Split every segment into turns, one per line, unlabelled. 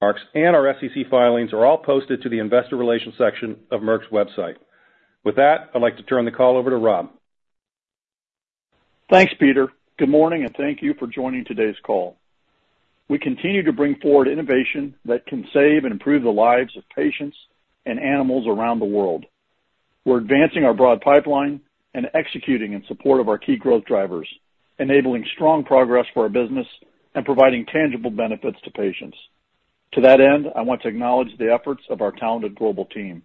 Materials and our SEC filings are all posted to the Investor Relations section of Merck's website. With that, I'd like to turn the call over to Rob.
Thanks, Peter. Good morning, and thank you for joining today's call. We continue to bring forward innovation that can save and improve the lives of patients and animals around the world. We're advancing our broad pipeline and executing in support of our key growth drivers, enabling strong progress for our business and providing tangible benefits to patients. To that end, I want to acknowledge the efforts of our talented global team.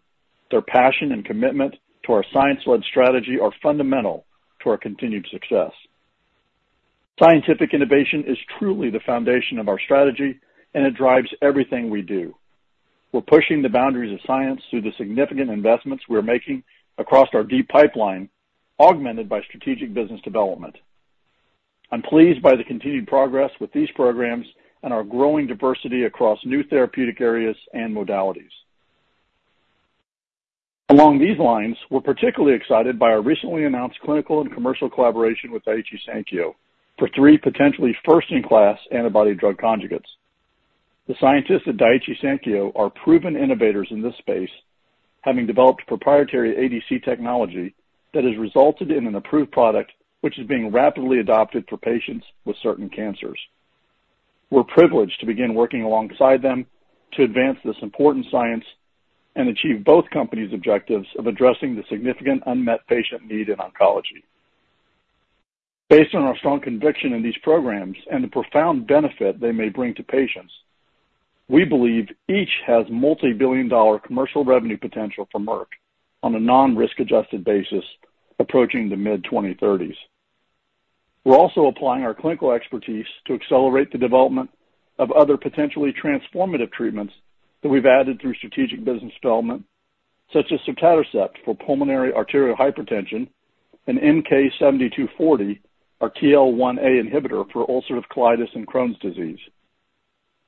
Their passion and commitment to our science-led strategy are fundamental to our continued success. Scientific innovation is truly the foundation of our strategy, and it drives everything we do. We're pushing the boundaries of science through the significant investments we're making across our deep pipeline, augmented by strategic business development. I'm pleased by the continued progress with these programs and our growing diversity across new therapeutic areas and modalities. Along these lines, we're particularly excited by our recently announced clinical and commercial collaboration with Daiichi Sankyo for three potentially first-in-class antibody drug conjugates. The scientists at Daiichi Sankyo are proven innovators in this space, having developed proprietary ADC technology that has resulted in an approved product, which is being rapidly adopted for patients with certain cancers. We're privileged to begin working alongside them to advance this important science and achieve both companies' objectives of addressing the significant unmet patient need in oncology. Based on our strong conviction in these programs and the profound benefit they may bring to patients, we believe each has multibillion-dollar commercial revenue potential for Merck on a non-risk-adjusted basis, approaching the mid-2030s. We're also applying our clinical expertise to accelerate the development of other potentially transformative treatments that we've added through strategic business development, such as sotatercept for pulmonary arterial hypertension and MK-7240, our TL1A inhibitor for ulcerative colitis and Crohn's disease.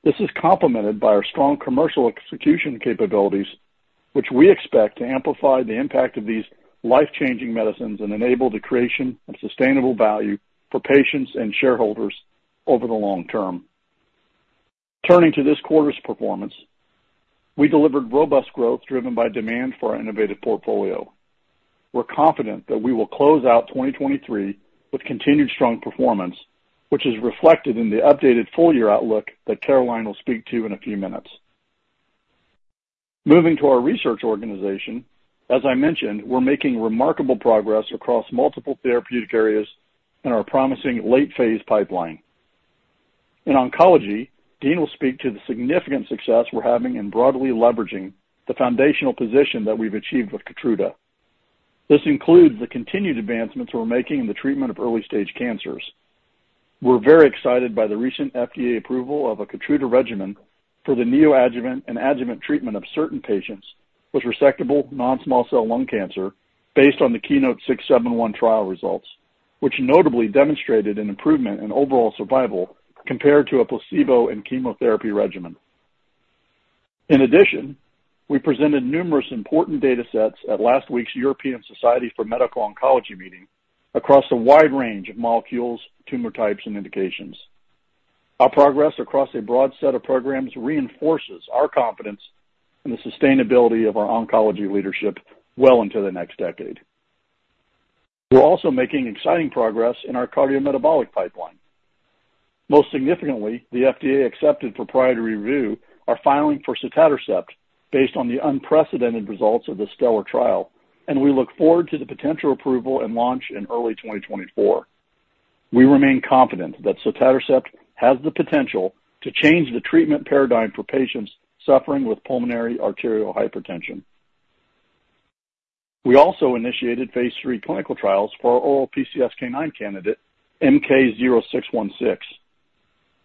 This is complemented by our strong commercial execution capabilities, which we expect to amplify the impact of these life-changing medicines and enable the creation of sustainable value for patients and shareholders over the long term. Turning to this quarter's performance, we delivered robust growth driven by demand for our innovative portfolio. We're confident that we will close out 2023 with continued strong performance, which is reflected in the updated full-year outlook that Caroline will speak to in a few minutes. Moving to our research organization, as I mentioned, we're making remarkable progress across multiple therapeutic areas in our promising late-phase pipeline. In oncology, Dean will speak to the significant success we're having in broadly leveraging the foundational position that we've achieved with keytruda. This includes the continued advancements we're making in the treatment of early-stage cancers. We're very excited by the recent FDA approval of a keytruda regimen for the neoadjuvant and adjuvant treatment of certain patients with resectable non-small cell lung cancer, based on the KEYNOTE-671 trial results, which notably demonstrated an improvement in overall survival compared to a placebo and chemotherapy regimen. In addition, we presented numerous important data sets at last week's European Society for Medical Oncology meeting across a wide range of molecules, tumor types, and indications. Our progress across a broad set of programs reinforces our confidence in the sustainability of our oncology leadership well into the next decade. We're also making exciting progress in our cardiometabolic pipeline. Most significantly, the FDA accepted for priority review our filing for sotatercept based on the unprecedented results of the STELLAR trial, and we look forward to the potential approval and launch in early 2024. We remain confident that sotatercept has the potential to change the treatment paradigm for patients suffering with pulmonary arterial hypertension. We also initiated phase III clinical trials for our oral PCSK9 candidate, MK-0616.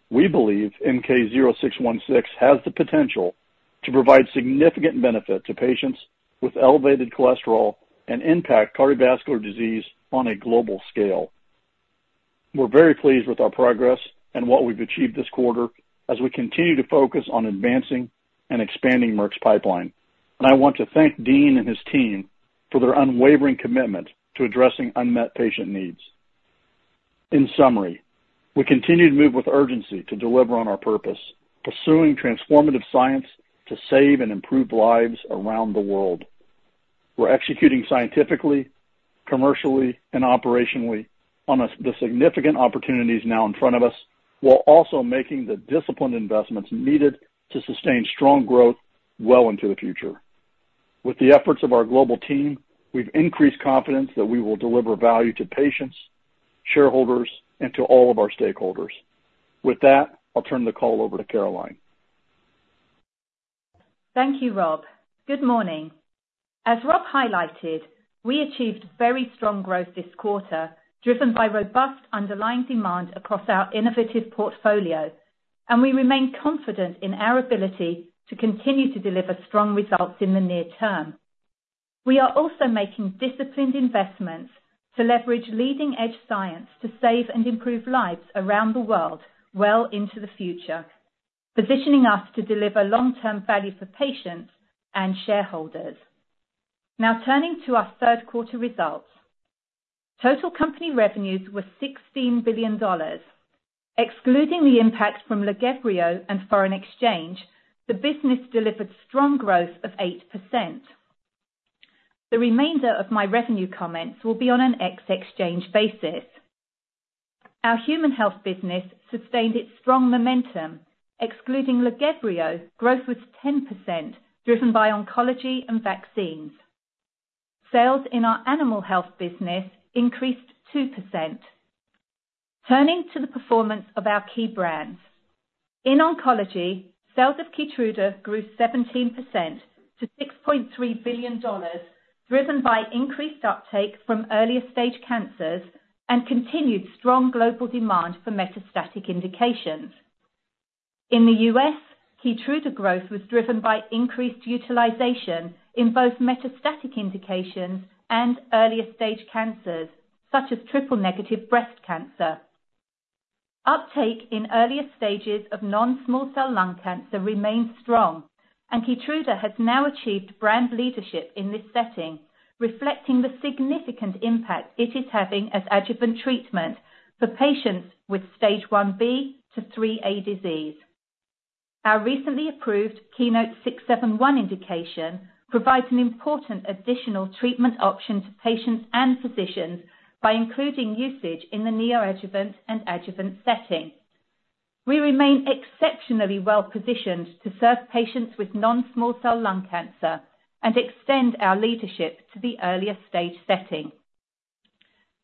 We believe MK-0616 has the potential to provide significant benefit to patients with elevated cholesterol and impact cardiovascular disease on a global scale. We're very pleased with our progress and what we've achieved this quarter as we continue to focus on advancing and expanding Merck's pipeline, and I want to thank Dean and his team for their unwavering commitment to addressing unmet patient needs. In summary, we continue to move with urgency to deliver on our purpose, pursuing transformative science to save and improve lives around the world. We're executing scientifically, commercially, and operationally on the significant opportunities now in front of us, while also making the disciplined investments needed to sustain strong growth well into the future. With the efforts of our global team, we've increased confidence that we will deliver value to patients, shareholders, and to all of our stakeholders. With that, I'll turn the call over to Caroline.
Thank you, Rob. Good morning. As Rob highlighted, we achieved very strong growth this quarter, driven by robust underlying demand across our innovative portfolio, and we remain confident in our ability to continue to deliver strong results in the near term. We are also making disciplined investments to leverage leading-edge science to save and improve lives around the world well into the future, positioning us to deliver long-term value for patients and shareholders. Now turning to our Q3 results. Total company revenues were $16 billion. Excluding the impact from lagevrio and foreign exchange, the business delivered strong growth of 8%. The remainder of my revenue comments will be on an ex exchange basis. Our human health business sustained its strong momentum. Excluding lagevrio, growth was 10%, driven by oncology and vaccines. Sales in our animal health business increased 2%. Turning to the performance of our key brands. In oncology, sales of KEYTRUDA grew 17% to $6.3 billion, driven by increased uptake from earlier-stage cancers and continued strong global demand for metastatic indications. In the U.S., KEYTRUDA growth was driven by increased utilization in both metastatic indications and earlier-stage cancers, such as triple-negative breast cancer. Uptake in earlier stages of non-small cell lung cancer remains strong, and KEYTRUDA has now achieved brand leadership in this setting, reflecting the significant impact it is having as adjuvant treatment for patients with Stage IB to IIIA disease. Our recently approved KEYNOTE-671 indication provides an important additional treatment option to patients and physicians by including usage in the neoadjuvant and adjuvant setting. We remain exceptionally well positioned to serve patients with non-small cell lung cancer and extend our leadership to the earlier stage setting.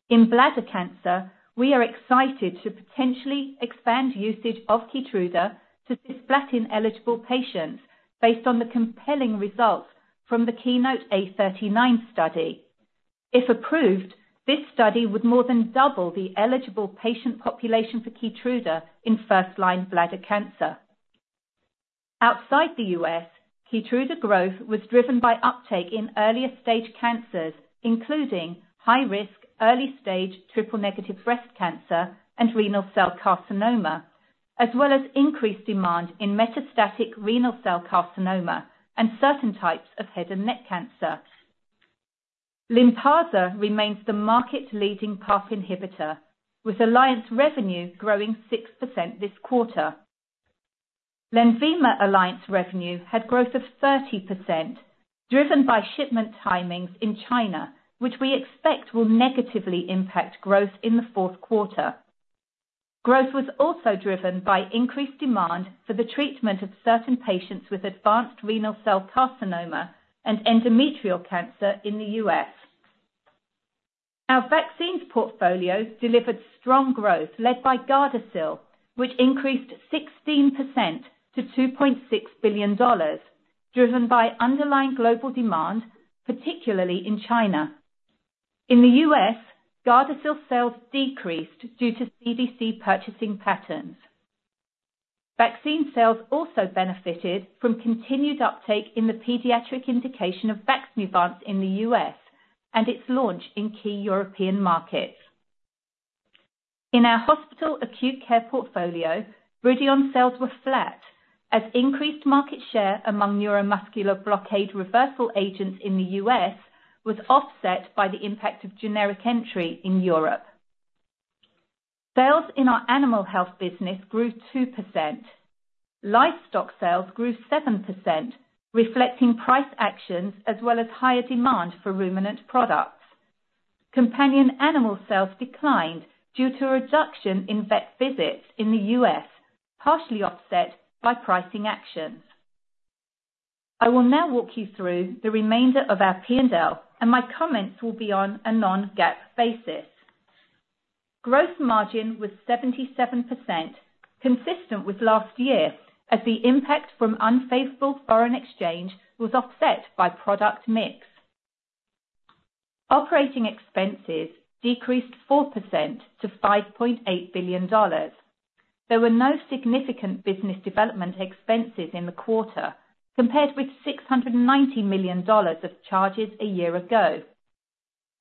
In bladder cancer, we are excited to potentially expand usage of KEYTRUDA to cisplatin-eligible patients based on the compelling results from the KEYNOTE-A39 study. If approved, this study would more than double the eligible patient population for KEYTRUDA in first-line bladder cancer. Outside the U.S., KEYTRUDA growth was driven by uptake in earlier-stage cancers, including high risk, early-stage, triple-negative breast cancer and renal cell carcinoma, as well as increased demand in metastatic renal cell carcinoma and certain types of head and neck cancer. Lynparza remains the market-leading PARP inhibitor, with alliance revenue growing 6% this quarter. Lynparza alliance revenue had growth of 30%, driven by shipment timings in China, which we expect will negatively impact growth in the Q4. Growth was also driven by increased demand for the treatment of certain patients with advanced renal cell carcinoma and endometrial cancer in the U.S. Our vaccines portfolio delivered strong growth, led by gardasil, which increased 16% to $2.6 billion, driven by underlying global demand, particularly in China. In the U.S., gardasil sales decreased due to CDC purchasing patterns. Vaccine sales also benefited from continued uptake in the pediatric indication of VAXNEUVANCE in the U.S. and its launch in key European markets. In our hospital acute care portfolio, BRIDION sales were flat, as increased market share among neuromuscular blockade reversal agents in the U.S. was offset by the impact of generic entry in Europe. Sales in our animal health business grew 2%. Livestock sales grew 7%, reflecting price actions as well as higher demand for ruminant products. Companion animal sales declined due to a reduction in vet visits in the U.S., partially offset by pricing actions. I will now walk you through the remainder of our P&L, and my comments will be on a non-GAAP basis. Gross margin was 77%, consistent with last year, as the impact from unfavorable foreign exchange was offset by product mix. Operating expenses decreased 4% to $5.8 billion. There were no significant business development expenses in the quarter, compared with $690 million of charges a year ago.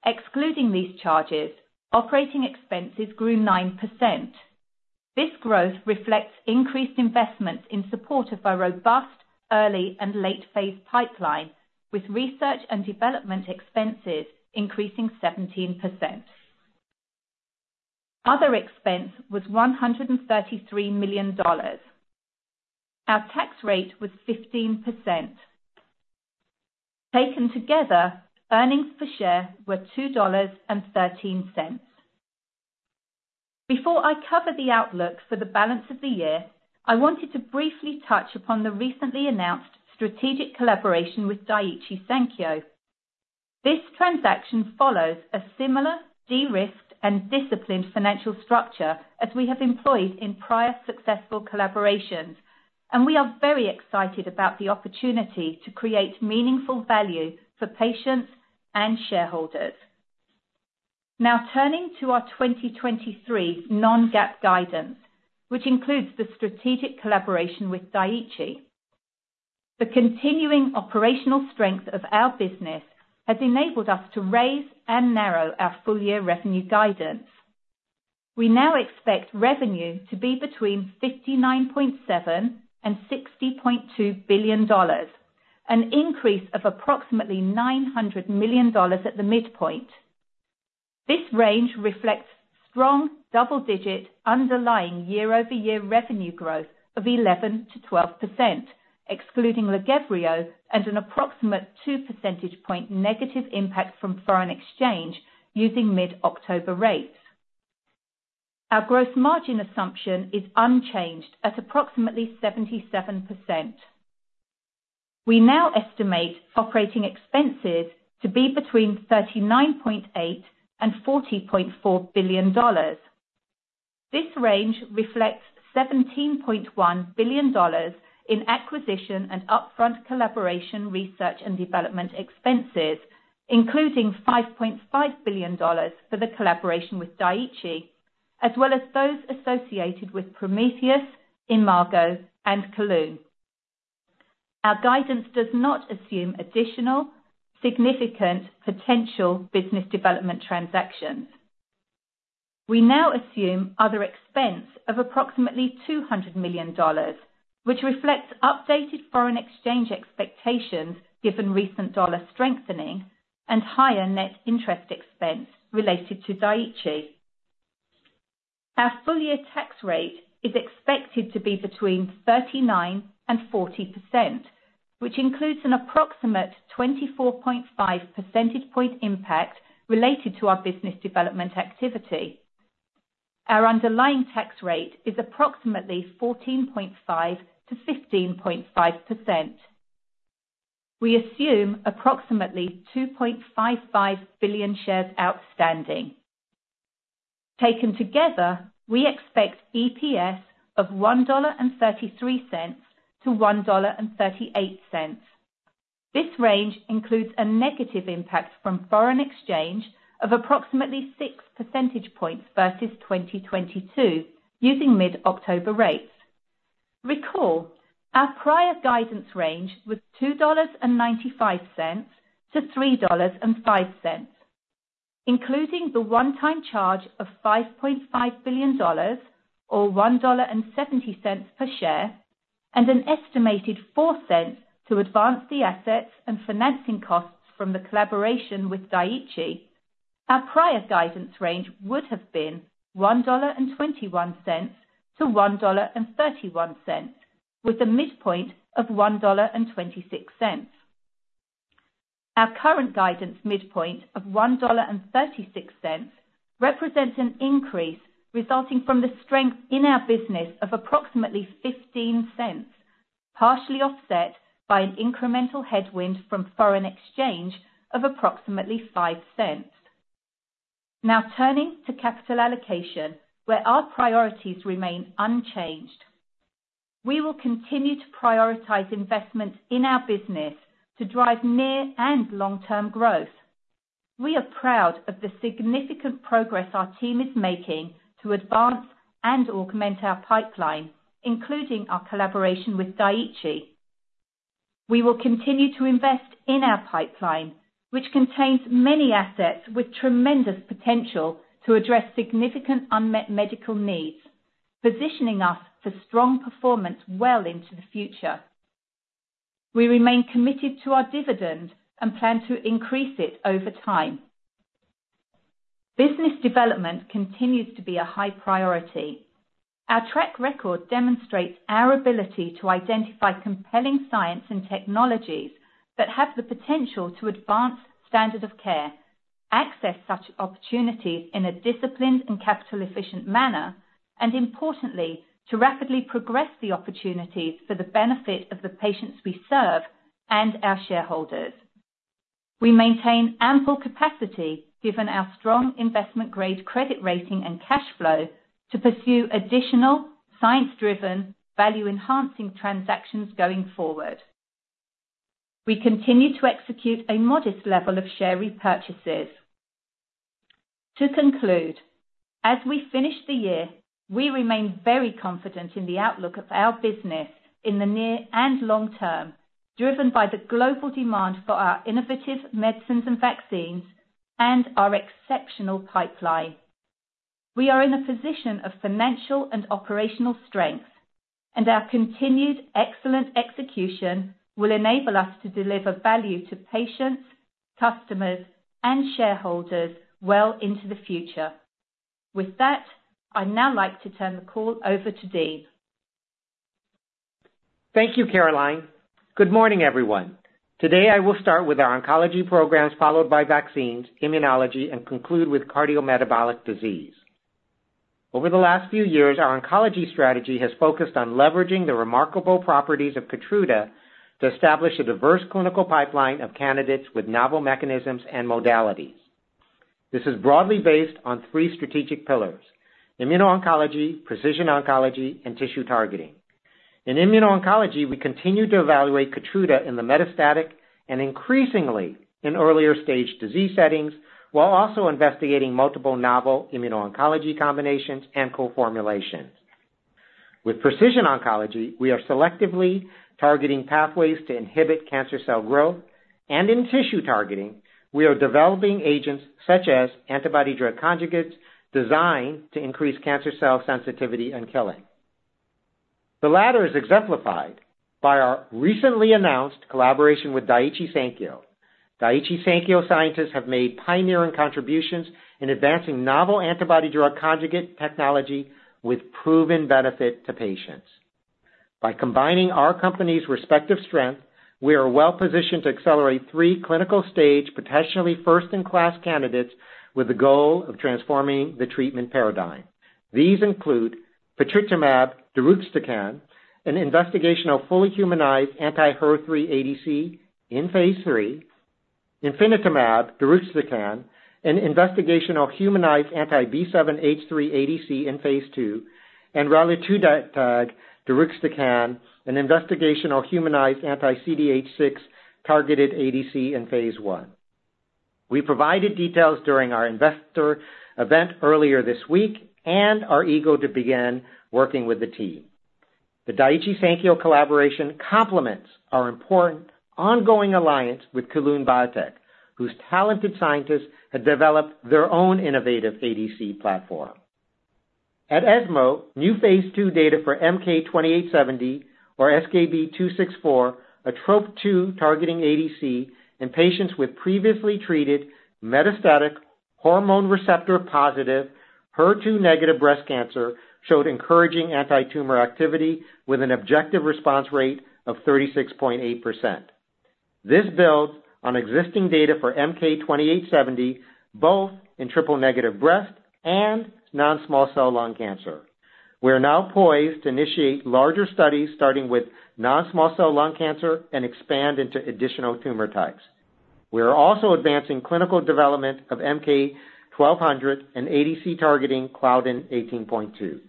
Excluding these charges, operating expenses grew 9%. This growth reflects increased investments in support of our robust, early, and late-phase pipeline, with research and development expenses increasing 17%. Other expense was $133 million. Our tax rate was 15%. Taken together, earnings per share were $2.13. Before I cover the outlook for the balance of the year, I wanted to briefly touch upon the recently announced strategic collaboration with Daiichi Sankyo. This transaction follows a similar de-risked and disciplined financial structure as we have employed in prior successful collaborations, and we are very excited about the opportunity to create meaningful value for patients and shareholders. Now turning to our 2023 non-GAAP guidance, which includes the strategic collaboration with Daiichi. The continuing operational strength of our business has enabled us to raise and narrow our full-year revenue guidance. We now expect revenue to be between $59.7 billion and $60.2 billion, an increase of approximately $900 million at the midpoint. This range reflects strong double-digit underlying year-over-year revenue growth of 11% to 12%, excluding Lynparza, and an approximate two percentage point negative impact from foreign exchange using mid-October rates. Our gross margin assumption is unchanged at approximately 77%. We now estimate operating expenses to be between $39.8 billion to $40.4 billion. This range reflects $17.1 billion in acquisition and upfront collaboration, research, and development expenses, including $5.5 billion for the collaboration with Daiichi, as well as those associated with Prometheus, Imago, and Kelun. Our guidance does not assume additional significant potential business development transactions. We now assume other expense of approximately $200 million, which reflects updated foreign exchange expectations given recent dollar strengthening and higher net interest expense related to Daiichi. Our full year tax rate is expected to be between 39% to 40%, which includes an approximate 24.5 percentage point impact related to our business development activity. Our underlying tax rate is approximately 14.5% to 15.5%. We assume approximately $2.55 billion shares outstanding. Taken together, we expect EPS of $1.33 to $1.38. This range includes a negative impact from foreign exchange of approximately 6 percentage points versus 2022, using mid-October rates. Recall, our prior guidance range was $2.95 to $3.05, including the one-time charge of $5.5 billion, or $1.70 per share, and an estimated $0.04 to advance the assets and financing costs from the collaboration with Daiichi. Our prior guidance range would have been $1.21 to $1.31, with a midpoint of $1.26. Our current guidance midpoint of $1.36 represents an increase resulting from the strength in our business of approximately $0.15, partially offset by an incremental headwind from foreign exchange of approximately $0.05. Now, turning to capital allocation, where our priorities remain unchanged. We will continue to prioritize investments in our business to drive near and long-term growth. We are proud of the significant progress our team is making to advance and augment our pipeline, including our collaboration with Daiichi. We will continue to invest in our pipeline, which contains many assets with tremendous potential to address significant unmet medical needs, positioning us for strong performance well into the future. We remain committed to our dividend and plan to increase it over time. Business development continues to be a high priority. Our track record demonstrates our ability to identify compelling science and technologies that have the potential to advance standard of care, access such opportunities in a disciplined and capital-efficient manner, and importantly, to rapidly progress the opportunities for the benefit of the patients we serve and our shareholders. We maintain ample capacity, given our strong investment-grade credit rating and cash flow, to pursue additional science-driven, value-enhancing transactions going forward. We continue to execute a modest level of share repurchases. To conclude, as we finish the year, we remain very confident in the outlook of our business in the near and long term, driven by the global demand for our innovative medicines and vaccines and our exceptional pipeline. We are in a position of financial and operational strength, and our continued excellent execution will enable us to deliver value to patients, customers, and shareholders well into the future. With that, I'd now like to turn the call over to Dean.
Thank you, Caroline. Good morning, everyone. Today, I will start with our oncology programs, followed by vaccines, immunology, and conclude with cardiometabolic disease. Over the last few years, our oncology strategy has focused on leveraging the remarkable properties of KEYTRUDA to establish a diverse clinical pipeline of candidates with novel mechanisms and modalities. This is broadly based on three strategic pillars: immuno-oncology, precision oncology, and tissue targeting. In immuno-oncology, we continue to evaluate KEYTRUDA in the metastatic and increasingly in earlier stage disease settings, while also investigating multiple novel immuno-oncology combinations and co-formulations. With precision oncology, we are selectively targeting pathways to inhibit cancer cell growth, and in tissue targeting, we are developing agents such as antibody drug conjugates, designed to increase cancer cell sensitivity and killing. The latter is exemplified by our recently announced collaboration with Daiichi Sankyo. Daiichi Sankyo scientists have made pioneering contributions in advancing novel antibody drug conjugate technology with proven benefit to patients. By combining our company's respective strength, we are well-positioned to accelerate three clinical stage, potentially first-in-class candidates with the goal of transforming the treatment paradigm. These include patritumab deruxtecan, an investigational fully humanized anti-HER3 ADC in phase III, ifinatamab deruxtecan, an investigational humanized anti-B7H3 ADC in phase II, and raludotatug deruxtecan, an investigational humanized anti-CDH6 targeted ADC in phase I. We provided details during our investor event earlier this week, and are eager to begin working with the team. The Daiichi Sankyo collaboration complements our important ongoing alliance with Kelun-Biotech, whose talented scientists have developed their own innovative ADC platform. At ESMO, new phase II data for MK-2870 or SKB-264, a Trop-2 targeting ADC in patients with previously treated metastatic hormone receptor-positive, HER2-negative breast cancer, showed encouraging antitumor activity with an objective response rate of 36.8%. This builds on existing data for MK-2870, both in triple-negative breast and non-small cell lung cancer. We are now poised to initiate larger studies, starting with non-small cell lung cancer and expand into additional tumor types. We are also advancing clinical development of MK-1200 and ADC targeting Claudin 18.2.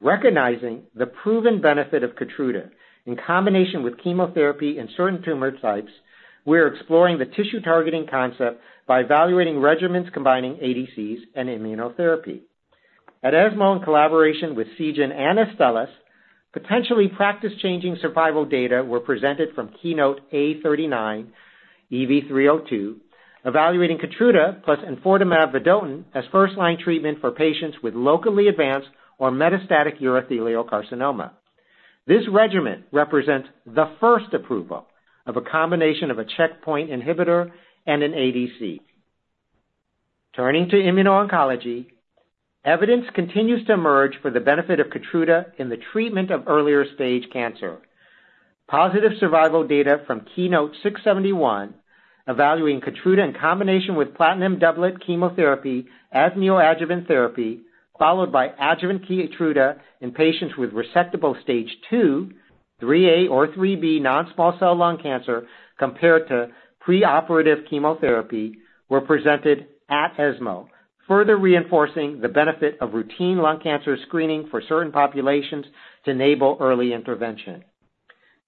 Recognizing the proven benefit of KEYTRUDA in combination with chemotherapy in certain tumor types, we are exploring the tissue targeting concept by evaluating regimens combining ADCs and immunotherapy. At ESMO, in collaboration with Seagen and Astellas, potentially practice-changing survival data were presented from KEYNOTE-A39, EV-302, evaluating KEYTRUDA plus enfortumab vedotin as first-line treatment for patients with locally advanced or metastatic urothelial carcinoma. This regimen represents the first approval of a combination of a checkpoint inhibitor and an ADC. Turning to immuno-oncology, evidence continues to emerge for the benefit of KEYTRUDA in the treatment of earlier-stage cancer. Positive survival data from KEYNOTE-671, evaluating KEYTRUDA in combination with platinum doublet chemotherapy as neoadjuvant therapy, followed by adjuvant KEYTRUDA in patients with resectable Stage II, IIIA or IIIB non-small cell lung cancer, compared to preoperative chemotherapy, were presented at ESMO, further reinforcing the benefit of routine lung cancer screening for certain populations to enable early intervention.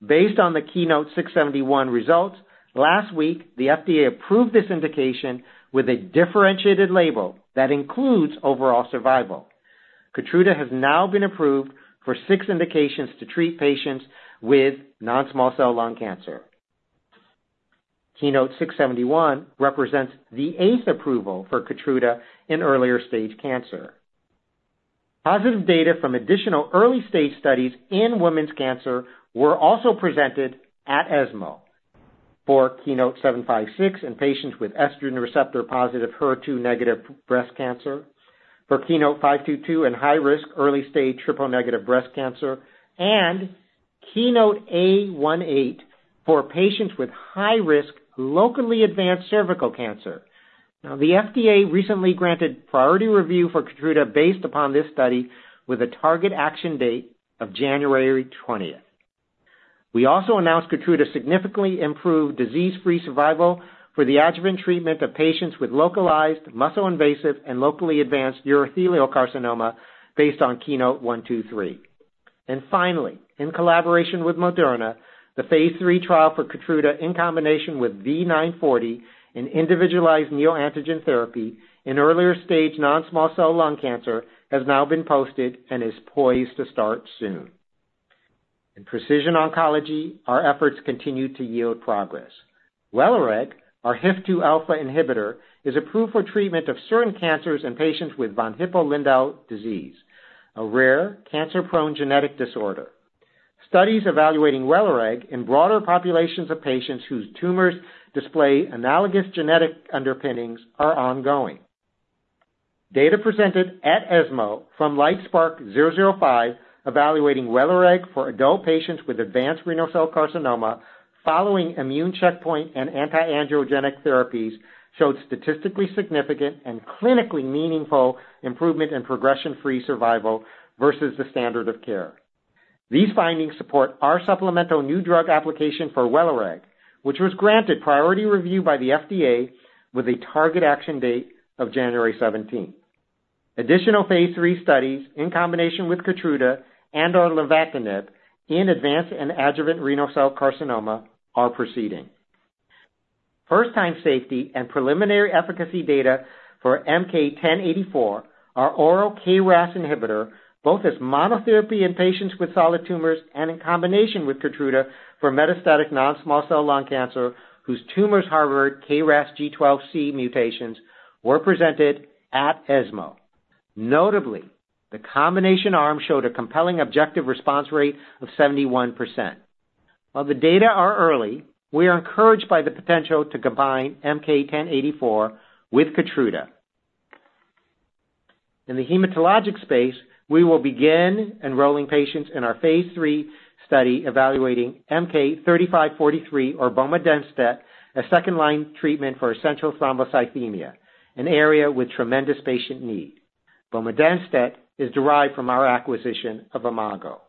Based on the KEYNOTE-671 results, last week, the FDA approved this indication with a differentiated label that includes overall survival. KEYTRUDA has now been approved for six indications to treat patients with non-small cell lung cancer. KEYNOTE-671 represents the eighth approval for KEYTRUDA in earlier-stage cancer. Positive data from additional early-stage studies in women's cancer were also presented at ESMO for KEYNOTE-756 in patients with estrogen receptor-positive, HER2-negative breast cancer, for KEYNOTE-522 in high-risk, early-stage triple-negative breast cancer, and KEYNOTE-A18 for patients with high-risk, locally advanced cervical cancer. Now, the FDA recently granted priority review for KEYTRUDA based upon this study, with a target action date of January twentieth. We also announced KEYTRUDA significantly improved disease-free survival for the adjuvant treatment of patients with localized muscle invasive and locally advanced urothelial carcinoma based on KEYNOTE-A23. And finally, in collaboration with Moderna, the phase III trial for KEYTRUDA in combination with V940, an individualized neoantigen therapy in earlier-stage non-small cell lung cancer, has now been posted and is poised to start soon. In precision oncology, our efforts continue to yield progress. WELIREG, our HIF-2α inhibitor, is approved for treatment of certain cancers in patients with von Hippel-Lindau disease, a rare cancer-prone genetic disorder. Studies evaluating WELIREG in broader populations of patients whose tumors display analogous genetic underpinnings are ongoing. Data presented at ESMO from LITESPARK-005, evaluating WELIREG for adult patients with advanced renal cell carcinoma following immune checkpoint and anti-angiogenic therapies, showed statistically significant and clinically meaningful improvement in progression-free survival versus the standard of care. These findings support our supplemental new drug application for WELIREG, which was granted priority review by the FDA with a target action date of January seventeenth. Additional Phase III studies in combination with KEYTRUDA and/or nivolumab in advanced and adjuvant renal cell carcinoma are proceeding. First-time safety and preliminary efficacy data for MK-1084, our oral KRAS inhibitor, both as monotherapy in patients with solid tumors and in combination with KEYTRUDA for metastatic non-small cell lung cancer, whose tumors harbor KRAS G12C mutations, were presented at ESMO. Notably, the combination arm showed a compelling objective response rate of 71%. While the data are early, we are encouraged by the potential to combine MK-1084 with KEYTRUDA. In the hematologic space, we will begin enrolling patients in our phase III study evaluating MK-3543 or bomedemstat, a second-line treatment for essential thrombocythemia, an area with tremendous patient need. Bomedemstat is derived from our acquisition of Imago.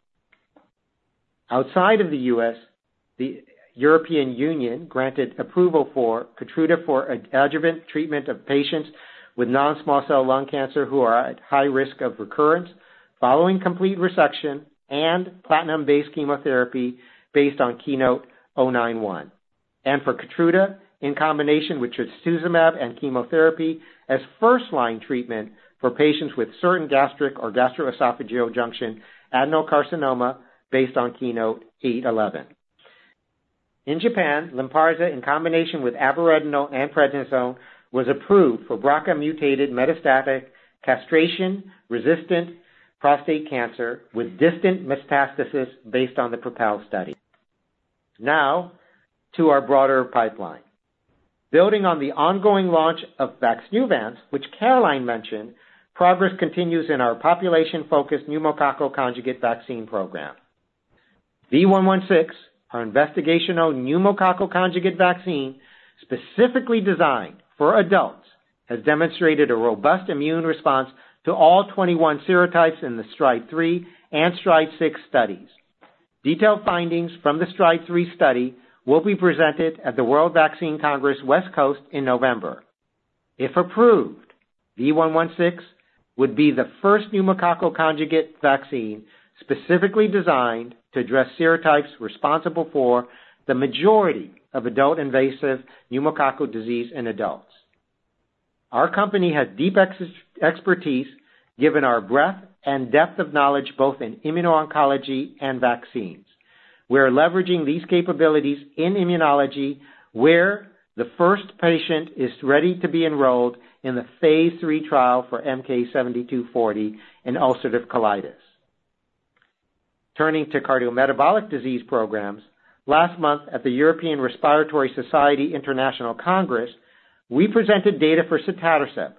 Outside of the U.S., the European Union granted approval for KEYTRUDA for adjuvant treatment of patients with non-small cell lung cancer who are at high risk of recurrence following complete resection and platinum-based chemotherapy based on KEYNOTE-091, and for KEYTRUDA in combination with trastuzumab and chemotherapy as first-line treatment for patients with certain gastric or gastroesophageal junction adenocarcinoma based on KEYNOTE-811. In Japan, LYNPARZA, in combination with abiraterone and prednisone, was approved for BRCA-mutated metastatic castration-resistant prostate cancer with distant metastasis based on the PROPEL study. Now, to our broader pipeline. Building on the ongoing launch of VAXNEUVANCE, which Caroline mentioned, progress continues in our population-focused pneumococcal conjugate vaccine program. V116, our investigational pneumococcal conjugate vaccine, specifically designed for adults, has demonstrated a robust immune response to all 21 serotypes in the STRIDE-3 and STRIDE-6 studies. Detailed findings from the STRIDE-3 study will be presented at the World Vaccine Congress West Coast in November. If approved, V116 would be the first pneumococcal conjugate vaccine specifically designed to address serotypes responsible for the majority of adult invasive pneumococcal disease in adults. Our company has deep expertise, given our breadth and depth of knowledge, both in immuno-oncology and vaccines. We are leveraging these capabilities in immunology, where the first patient is ready to be enrolled in the phase III trial for MK-7240 in ulcerative colitis. Turning to cardiometabolic disease programs, last month at the European Respiratory Society International Congress, we presented data for sotatercept,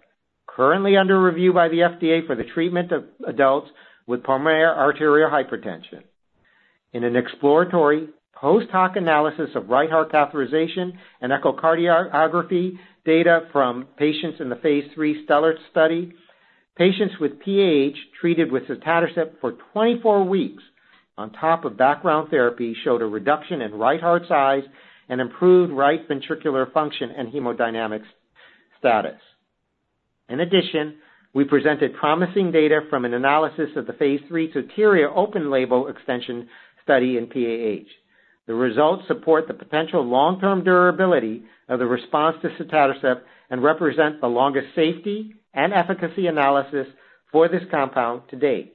currently under review by the FDA for the treatment of adults with pulmonary arterial hypertension. In an exploratory post-hoc analysis of right heart catheterization and echocardiography data from patients in the phase III STELLAR study, patients with PAH treated with sotatercept for 24 weeks on top of background therapy, showed a reduction in right heart size and improved right ventricular function and hemodynamics status. In addition, we presented promising data from an analysis of the phase III SOTERIA open label extension study in PAH. The results support the potential long-term durability of the response to sotatercept and represent the longest safety and efficacy analysis for this compound to date.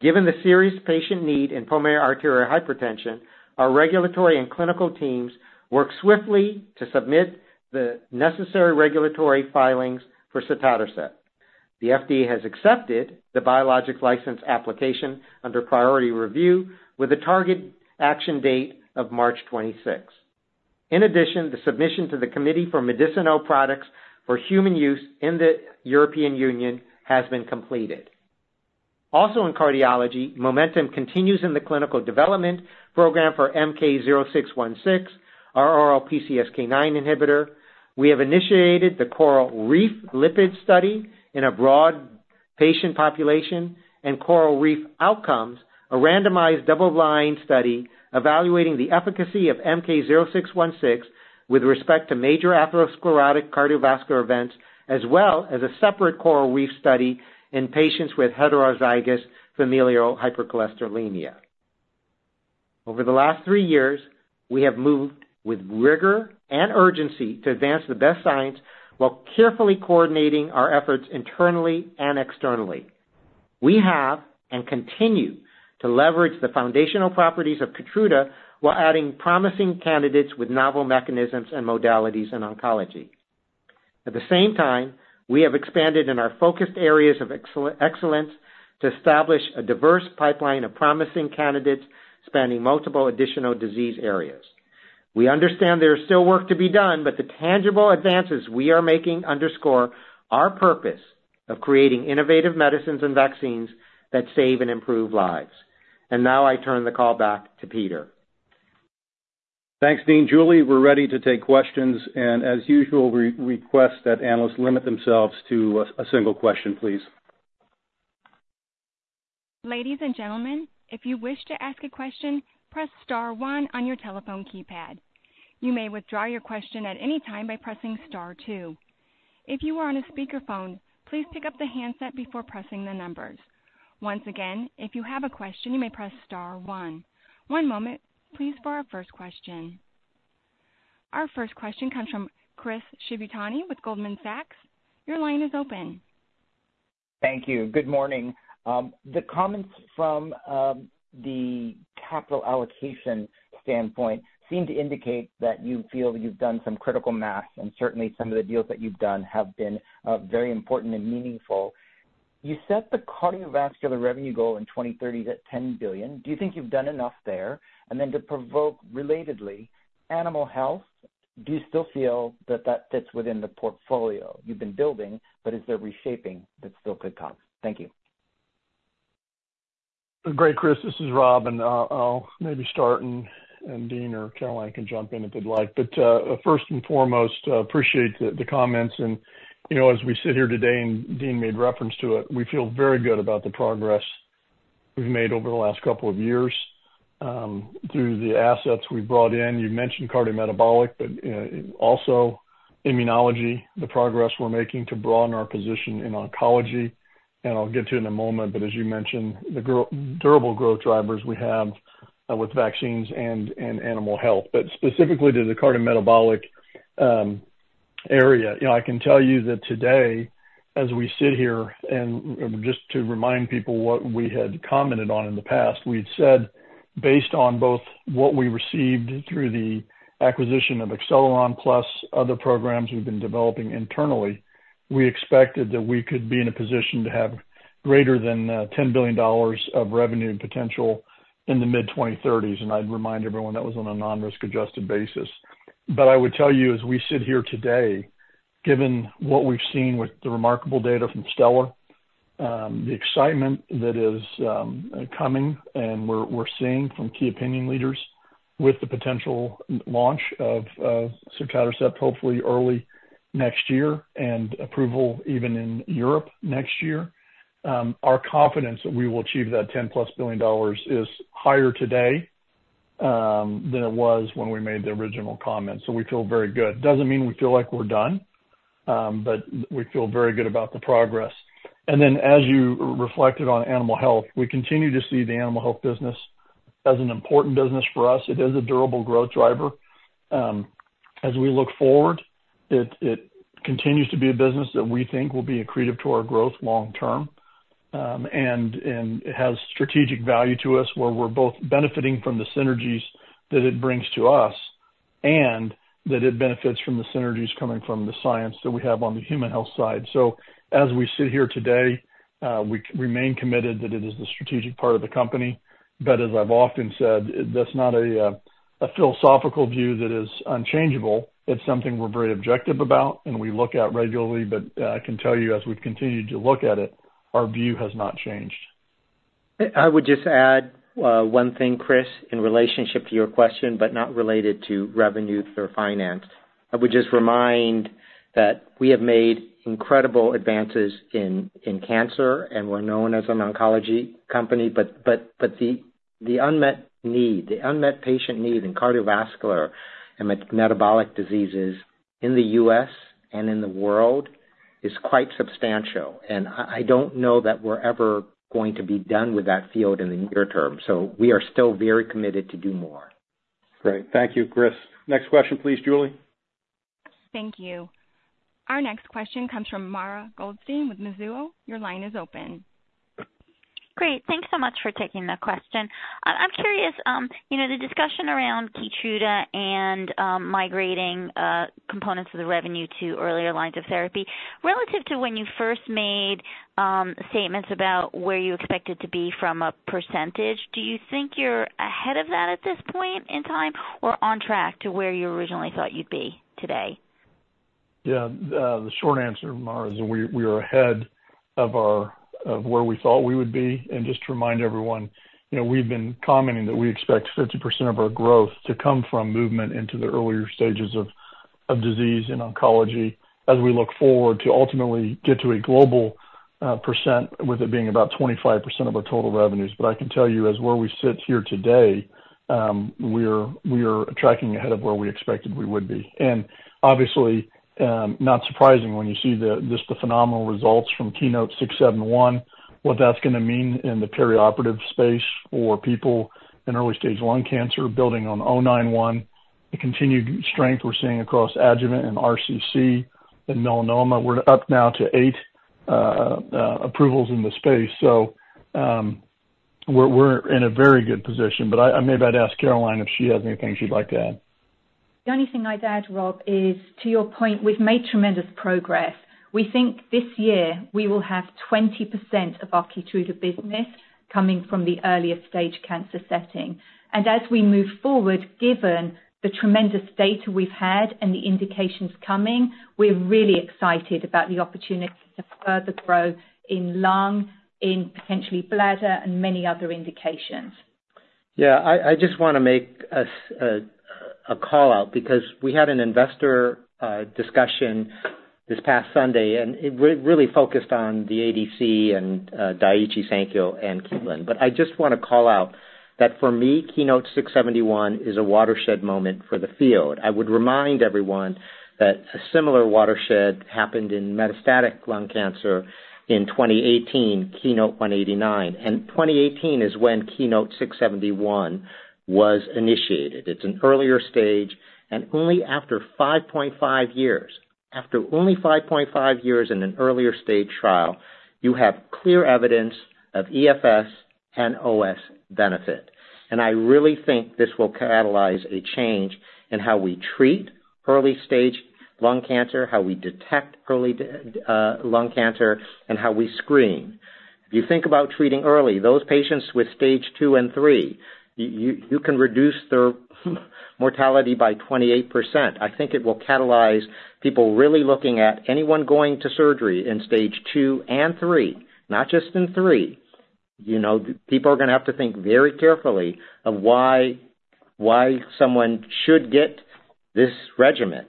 Given the serious patient need in pulmonary arterial hypertension, our regulatory and clinical teams worked swiftly to submit the necessary regulatory filings for sotatercept. The FDA has accepted the Biologics License Application under priority review with a target action date of 26 March. In addition, the submission to the Committee for Medicinal Products for Human Use in the European Union has been completed. Also, in cardiology, momentum continues in the clinical development program for MK-0616, our oral PCSK9 inhibitor. We have initiated the CORALreef lipid study in a broad patient population, and CORALreef Outcomes, a randomized double-blind study evaluating the efficacy of MK-0616 with respect to major atherosclerotic cardiovascular events, as well as a separate CORALreef study in patients with heterozygous familial hypercholesterolemia. Over the last three years, we have moved with rigor and urgency to advance the best science while carefully coordinating our efforts internally and externally. We have, and continue, to leverage the foundational properties of KEYTRUDA while adding promising candidates with novel mechanisms and modalities in oncology. At the same time, we have expanded in our focused areas of excellence to establish a diverse pipeline of promising candidates spanning multiple additional disease areas. We understand there is still work to be done, but the tangible advances we are making underscore our purpose of creating innovative medicines and vaccines that save and improve lives. Now I turn the call back to Peter.
Thanks, Dean. Julie, we're ready to take questions, and as usual, we request that analysts limit themselves to a single question, please.
Ladies and gentlemen, if you wish to ask a question, press star one on your telephone keypad. You may withdraw your question at any time by pressing star two. If you are on a speakerphone, please pick up the handset before pressing the numbers. Once again, if you have a question, you may press star one. One moment, please, for our first question. Our first question comes from Chris Shibutani with Goldman Sachs. Your line is open.
Thank you. Good morning. The comments from, the capital allocation standpoint seem to indicate that you feel you've done some critical mass, and certainly some of the deals that you've done have been, very important and meaningful. You set the cardiovascular revenue goal in 2030 to $10 billion. Do you think you've done enough there? And then to provoke relatedly, animal health, do you still feel that that fits within the portfolio you've been building, but is there reshaping that still could come? Thank you.
Great, Chris, this is Rob, and I'll maybe start and Dean or Caroline can jump in if they'd like. But first and foremost, appreciate the comments. And you know, as we sit here today, and Dean made reference to it, we feel very good about the progress we've made over the last couple of years through the assets we've brought in. You mentioned cardiometabolic, but also immunology, the progress we're making to broaden our position in oncology, and I'll get to in a moment, but as you mentioned, the durable growth drivers we have with vaccines and animal health. But specifically to the cardiometabolic area, you know, I can tell you that today, as we sit here, and just to remind people what we had commented on in the past, we'd said, based on both what we received through the acquisition of Acceleron, plus other programs we've been developing internally, we expected that we could be in a position to have greater than $10 billion of revenue potential in the mid-2030s, and I'd remind everyone that was on a non-risk adjusted basis. But I would tell you, as we sit here today, given what we've seen with the remarkable data from STELLAR, the excitement that is coming, and we're seeing from key opinion leaders with the potential launch of sotatercept hopefully early next year, and approval even in Europe next year, our confidence that we will achieve that $10+ billion is higher today than it was when we made the original comment. So we feel very good. Doesn't mean we feel like we're done, but we feel very good about the progress. And then, as you reflected on animal health, we continue to see the animal health business as an important business for us. It is a durable growth driver. As we look forward, it continues to be a business that we think will be accretive to our growth long term. And it has strategic value to us where we're both benefiting from the synergies that it brings to us, and that it benefits from the synergies coming from the science that we have on the human health side. So as we sit here today, we remain committed that it is the strategic part of the company. But as I've often said, that's not a philosophical view that is unchangeable. It's something we're very objective about, and we look at regularly. But I can tell you, as we've continued to look at it, our view has not changed.
I would just add one thing, Chris, in relationship to your question, but not related to revenue or finance. I would just remind that we have made incredible advances in cancer, and we're known as an oncology company, but the unmet need, the unmet patient need in cardiovascular and metabolic diseases in the U.S. and in the world is quite substantial, and I don't know that we're ever going to be done with that field in the near term, so we are still very committed to do more.
Great. Thank you, Chris. Next question, please, Julie.
Thank you. Our next question comes from Mara Goldstein with Mizuho. Your line is open.
Great. Thanks so much for taking the question. I'm curious, you know, the discussion around KEYTRUDA and migrating components of the revenue to earlier lines of therapy. Relative to when you first made statements about where you expected to be from a percentage, do you think you're ahead of that at this point in time, or on track to where you originally thought you'd be today?
Yeah. The short answer, Mara, is we are ahead of where we thought we would be. And just to remind everyone, you know, we've been commenting that we expect 50% of our growth to come from movement into the earlier stages of disease and oncology as we look forward to ultimately get to a global percent, with it being about 25% of our total revenues. But I can tell you as where we sit here today, we're tracking ahead of where we expected we would be. And obviously, not surprising when you see just the phenomenal results from KEYNOTE-671, what that's gonna mean in the perioperative space for people in early stage lung cancer, building on O91, the continued strength we're seeing across adjuvant and RCC and melanoma. We're up now to eight approvals in the space, so we're in a very good position. But maybe I'd ask Caroline if she has anything she'd like to add.
The only thing I'd add, Rob, is to your point, we've made tremendous progress. We think this year we will have 20% of our KEYTRUDA business coming from the earlier stage cancer setting. As we move forward, given the tremendous data we've had and the indications coming, we're really excited about the opportunity to further growth in lung, in potentially bladder, and many other indications.
Yeah, I just want to make a call out because we had an investor discussion this past Sunday, and it really focused on the ADC and Daiichi Sankyo and KEYTRUDA. But I just want to call out that for me, KEYNOTE-671 is a watershed moment for the field. I would remind everyone that a similar watershed happened in metastatic lung cancer in 2018, KEYNOTE-189, and 2018 is when KEYNOTE-671 was initiated. It's an earlier stage, and only after 5.5 years, after only 5.5 years in an earlier stage trial, you have clear evidence of EFS and OS benefit. I really think this will catalyze a change in how we treat early stage lung cancer, how we detect early lung cancer, and how we screen. If you think about treating early, those patients with Stage II and III, you can reduce their mortality by 28%. I think it will catalyze people really looking at anyone going to surgery in Stage II and III, not just in three. You know, people are gonna have to think very carefully of why, why someone should get this regimen.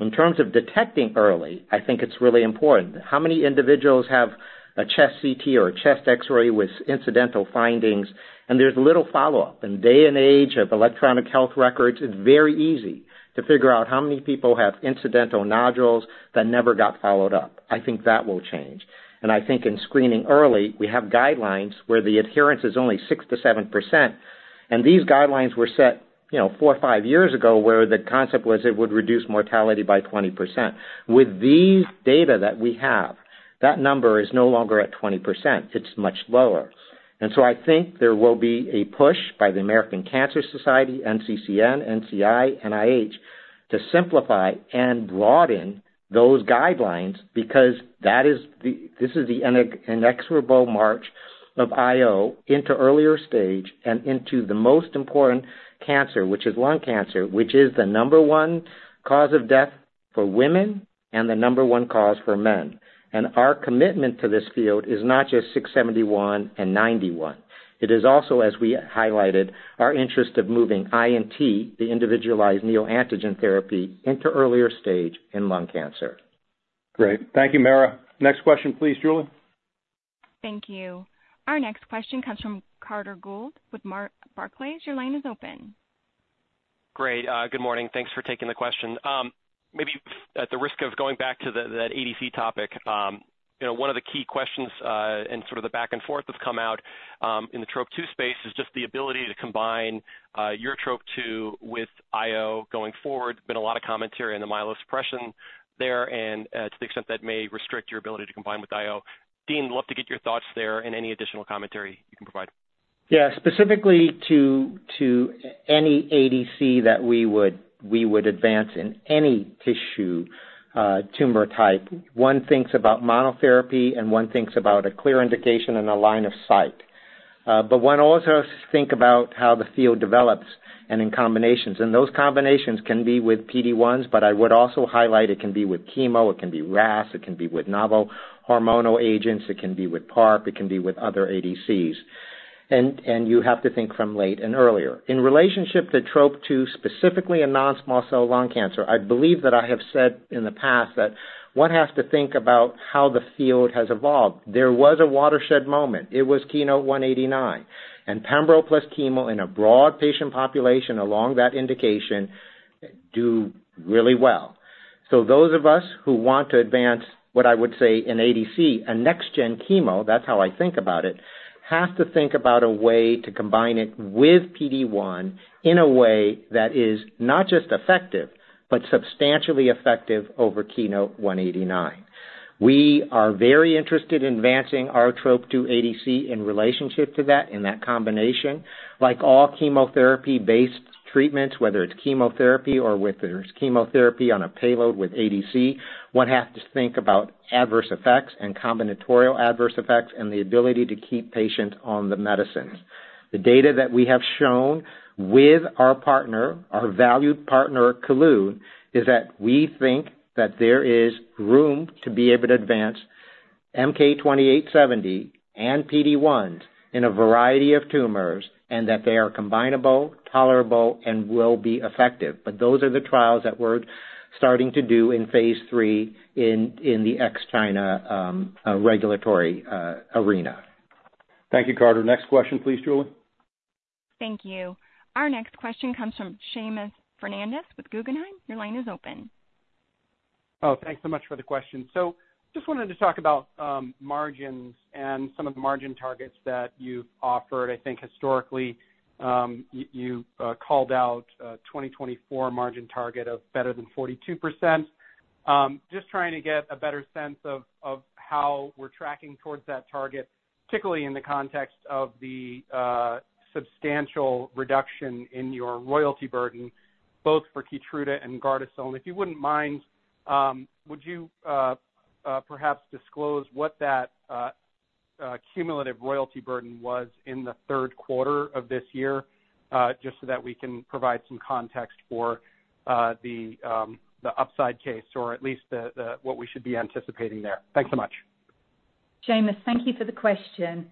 In terms of detecting early, I think it's really important. How many individuals have a chest CT or a chest X-ray with incidental findings, and there's little follow-up? In day and age of electronic health records, it's very easy to figure out how many people have incidental nodules that never got followed up. I think that will change. I think in screening early, we have guidelines where the adherence is only 6% to 7%, and these guidelines were set, you know, four or five years ago, where the concept was it would reduce mortality by 20%. With these data that we have, that number is no longer at 20%. It's much lower. So I think there will be a push by the American Cancer Society, NCCN, NCI, NIH, to simplify and broaden those guidelines because that is the inexorable march of IO into earlier stage and into the most important cancer, which is lung cancer, which is the number one cause of death for women and the number one cause for men. And our commitment to this field is not just 671 and 91. It is also, as we highlighted, our interest of moving IMT, the individualized neoantigen therapy, into earlier stage in lung cancer.
Great. Thank you, Mara. Next question, please, Julie.
Thank you. Our next question comes from Carter Gould with Barclays. Your line is open.
Great. Good morning. Thanks for taking the question. Maybe at the risk of going back to the, that ADC topic, you know, one of the key questions, and sort of the back and forth that's come out, in the Trop-2 space is just the ability to combine, your Trop-2 with IO going forward. Been a lot of commentary on the myelosuppression there, and, to the extent that may restrict your ability to combine with IO. Dean, love to get your thoughts there and any additional commentary you can provide.
Yeah, specifically to any ADC that we would advance in any tissue, tumor type, one thinks about monotherapy, and one thinks about a clear indication and a line of sight. But one also thinks about how the field develops and in combinations, and those combinations can be with PD-1s, but I would also highlight it can be with chemo, it can be RAS, it can be with novel hormonal agents, it can be with PARP, it can be with other ADCs. And you have to think from late and earlier. In relationship to Trop-2, specifically in non-small cell lung cancer, I believe that I have said in the past that one has to think about how the field has evolved. There was a watershed moment. It was KEYNOTE-189, and pembro plus chemo in a broad patient population along that indication do really well. So those of us who want to advance, what I would say, an ADC, a next gen chemo, that's how I think about it, have to think about a way to combine it with PD-1 in a way that is not just effective, but substantially effective over KEYNOTE-189. We are very interested in advancing our Trop-2 ADC in relationship to that, in that combination. Like all chemotherapy-based treatments, whether it's chemotherapy or whether it's chemotherapy on a payload with ADC, one has to think about adverse effects and combinatorial adverse effects and the ability to keep patients on the medicines. The data that we have shown with our partner, our valued partner, Kelun-Biotech, is that we think that there is room to be able to advance MK-2870 and PD-1 in a variety of tumors, and that they are combinable, tolerable, and will be effective. But those are the trials that we're starting to do in phase III in the ex-China regulatory arena.
Thank you, Carter. Next question, please, Julie.
Thank you. Our next question comes from Seamus Fernandez with Guggenheim. Your line is open.
Oh, thanks so much for the question. So just wanted to talk about margins and some of the margin targets that you've offered. I think historically, you called out a 2024 margin target of better than 42%. Just trying to get a better sense of how we're tracking towards that target, particularly in the context of the substantial reduction in your royalty burden, both for Keytruda and Gardasil. If you wouldn't mind, would you perhaps disclose what that cumulative royalty burden was in the Q3 of this year? Just so that we can provide some context for the upside case or at least the what we should be anticipating there. Thanks so much.
Seamus, thank you for the question.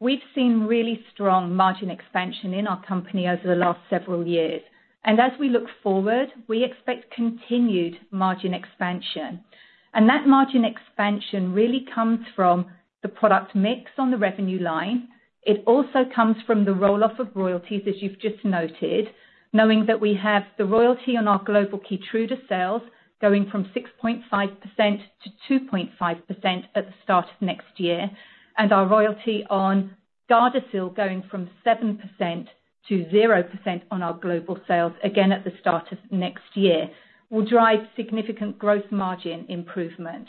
We've seen really strong margin expansion in our company over the last several years, and as we look forward, we expect continued margin expansion. And that margin expansion really comes from the product mix on the revenue line. It also comes from the roll-off of royalties, as you've just noted, knowing that we have the royalty on our global KEYTRUDA sales going from 6.5% to 2.5% at the start of next year, and our royalty on GARDASIL going from 7% to 0% on our global sales, again, at the start of next year, will drive significant growth margin improvement.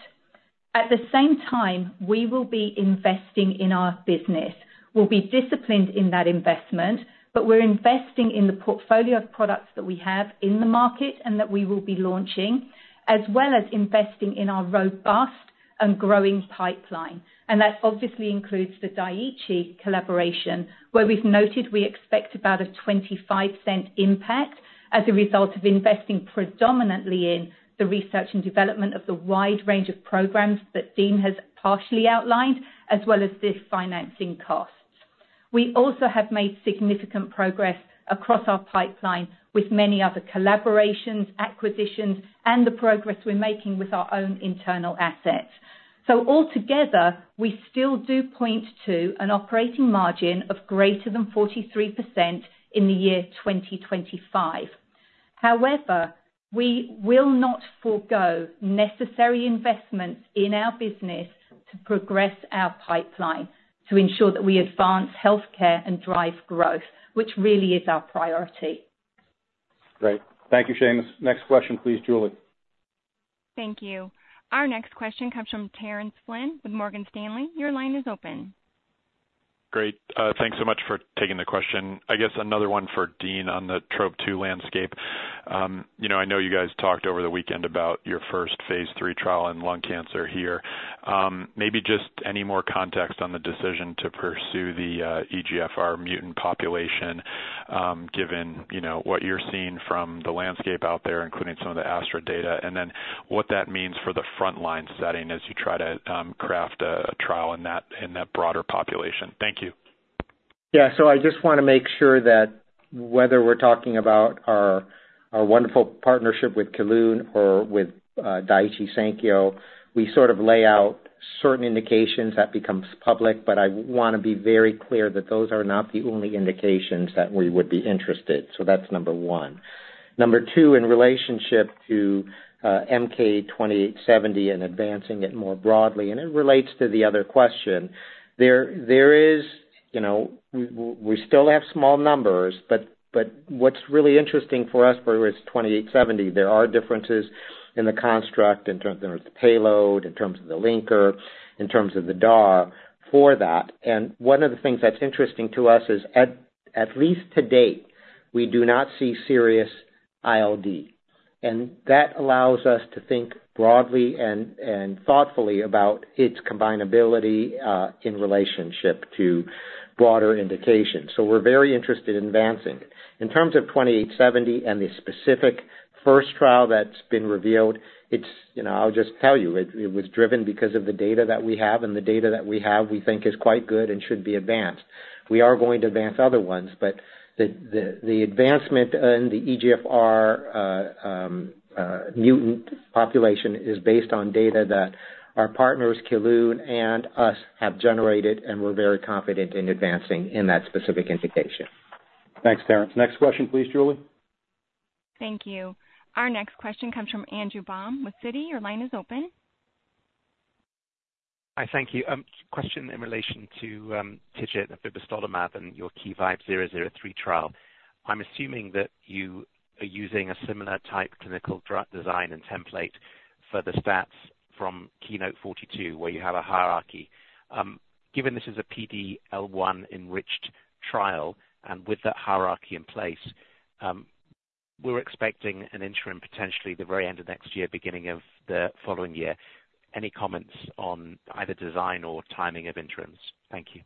At the same time, we will be investing in our business. We'll be disciplined in that investment, but we're investing in the portfolio of products that we have in the market and that we will be launching, as well as investing in our robust and growing pipeline. That obviously includes the Daiichi collaboration, where we've noted we expect about a $0.25 impact as a result of investing predominantly in the research and development of the wide range of programs that Dean has partially outlined, as well as this financing costs. We also have made significant progress across our pipeline with many other collaborations, acquisitions, and the progress we're making with our own internal assets. Altogether, we still do point to an operating margin of greater than 43% in 2025. However, we will not forego necessary investments in our business to progress our pipeline to ensure that we advance healthcare and drive growth, which really is our priority.
Great. Thank you, Seamus. Next question, please, Julie.
Thank you. Our next question comes from Terence Flynn with Morgan Stanley. Your line is open.
Great. Thanks so much for taking the question. I guess another one for Dean on the Trop-2 landscape. You know, I know you guys talked over the weekend about your first phase III trial in lung cancer here. Maybe just any more context on the decision to pursue the EGFR mutant population, given, you know, what you're seeing from the landscape out there, including some of the Astra data, and then what that means for the frontline setting as you try to craft a trial in that broader population? Thank you.
Yeah. So I just wanna make sure that whether we're talking about our wonderful partnership with Kelun or with Daiichi Sankyo, we sort of lay out certain indications that becomes public, but I wanna be very clear that those are not the only indications that we would be interested. So that's number one. Number two, in relationship to MK-2870 and advancing it more broadly, and it relates to the other question. There is, you know, we still have small numbers, but what's really interesting for us is 2870, there are differences in the construct, in terms of the payload, in terms of the linker, in terms of the DAR for that. One of the things that's interesting to us is, at least to date, we do not see serious ILD, and that allows us to think broadly and thoughtfully about its combinability in relationship to broader indications. We're very interested in advancing. In terms of 2870 and the specific first trial that's been revealed, it's... You know, I'll just tell you, it was driven because of the data that we have, and the data that we have, we think is quite good and should be advanced. We are going to advance other ones, but the advancement in the EGFR mutant population is based on data that our partners, Kelun and us, have generated, and we're very confident in advancing in that specific indication.
Thanks, Terence. Next question, please, Julie.
Thank you. Our next question comes from Andrew Baum with Citi. Your line is open.
Hi. Thank you. Question in relation to TIGIT, vibostolimab, and your KEYVIBE-003 trial. I'm assuming that you are using a similar type clinical drug design and template for the stats from KEYNOTE-042, where you have a hierarchy. Given this is a PD-L1-enriched trial, and with that hierarchy in place, we're expecting an interim, potentially the very end of next year, beginning of the following year. Any comments on either design or timing of interims? Thank you.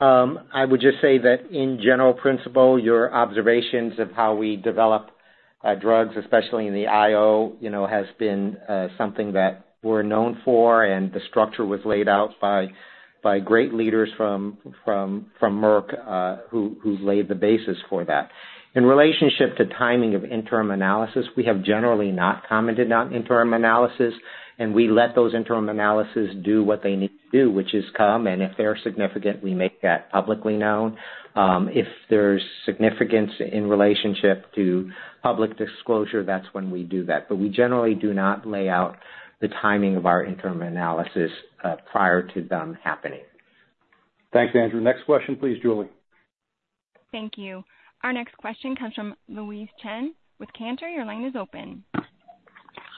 I would just say that in general principle, your observations of how we develop drugs, especially in the IO, you know, has been something that we're known for, and the structure was laid out by great leaders from Merck, who laid the basis for that. In relationship to timing of interim analysis, we have generally not commented on interim analysis, and we let those interim analysis do what they need to do, which is come, and if they're significant, we make that publicly known. If there's significance in relationship to public disclosure, that's when we do that. But we generally do not lay out the timing of our interim analysis prior to them happening.
Thanks, Andrew. Next question, please, Julie.
Thank you. Our next question comes from Louise Chen with Cantor. Your line is open.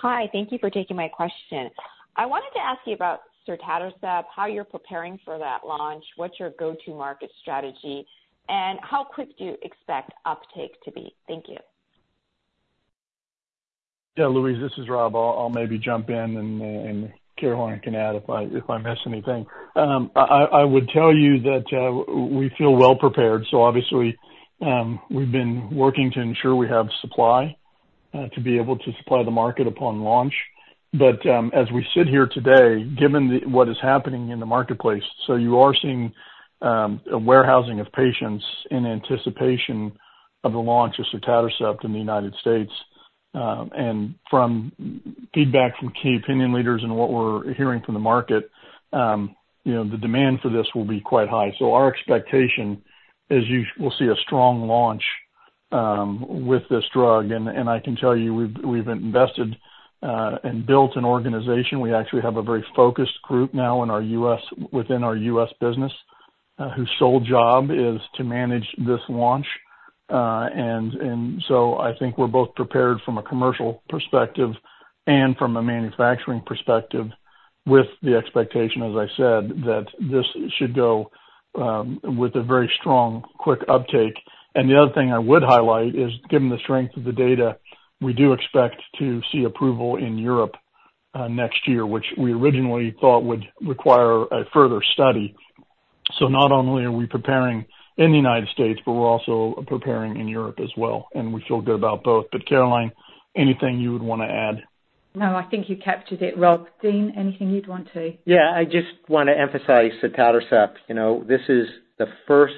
Hi, thank you for taking my question. I wanted to ask you about sotatercept, how you're preparing for that launch, what's your go-to-market strategy, and how quick do you expect uptake to be? Thank you.
Yeah, Louise, this is Rob. I'll maybe jump in and Caroline can add if I miss anything. I would tell you that we feel well prepared, so obviously, we've been working to ensure we have supply to be able to supply the market upon launch. But, as we sit here today, given the what is happening in the marketplace, so you are seeing a warehousing of patients in anticipation of the launch of sotatercept in the United States. And from feedback from key opinion leaders and what we're hearing from the market, you know, the demand for this will be quite high. So our expectation is we'll see a strong launch with this drug. And I can tell you, we've invested and built an organization. We actually have a very focused group now in our U.S., within our U.S. business, whose sole job is to manage this launch. And so I think we're both prepared from a commercial perspective and from a manufacturing perspective with the expectation, as I said, that this should go with a very strong, quick uptake. And the other thing I would highlight is, given the strength of the data, we do expect to see approval in Europe next year, which we originally thought would require a further study. So not only are we preparing in the United States, but we're also preparing in Europe as well, and we feel good about both. But Caroline, anything you would wanna add?
No, I think you captured it, Rob. Dean, anything you'd want to?
Yeah, I just wanna emphasize sotatercept. You know, this is the first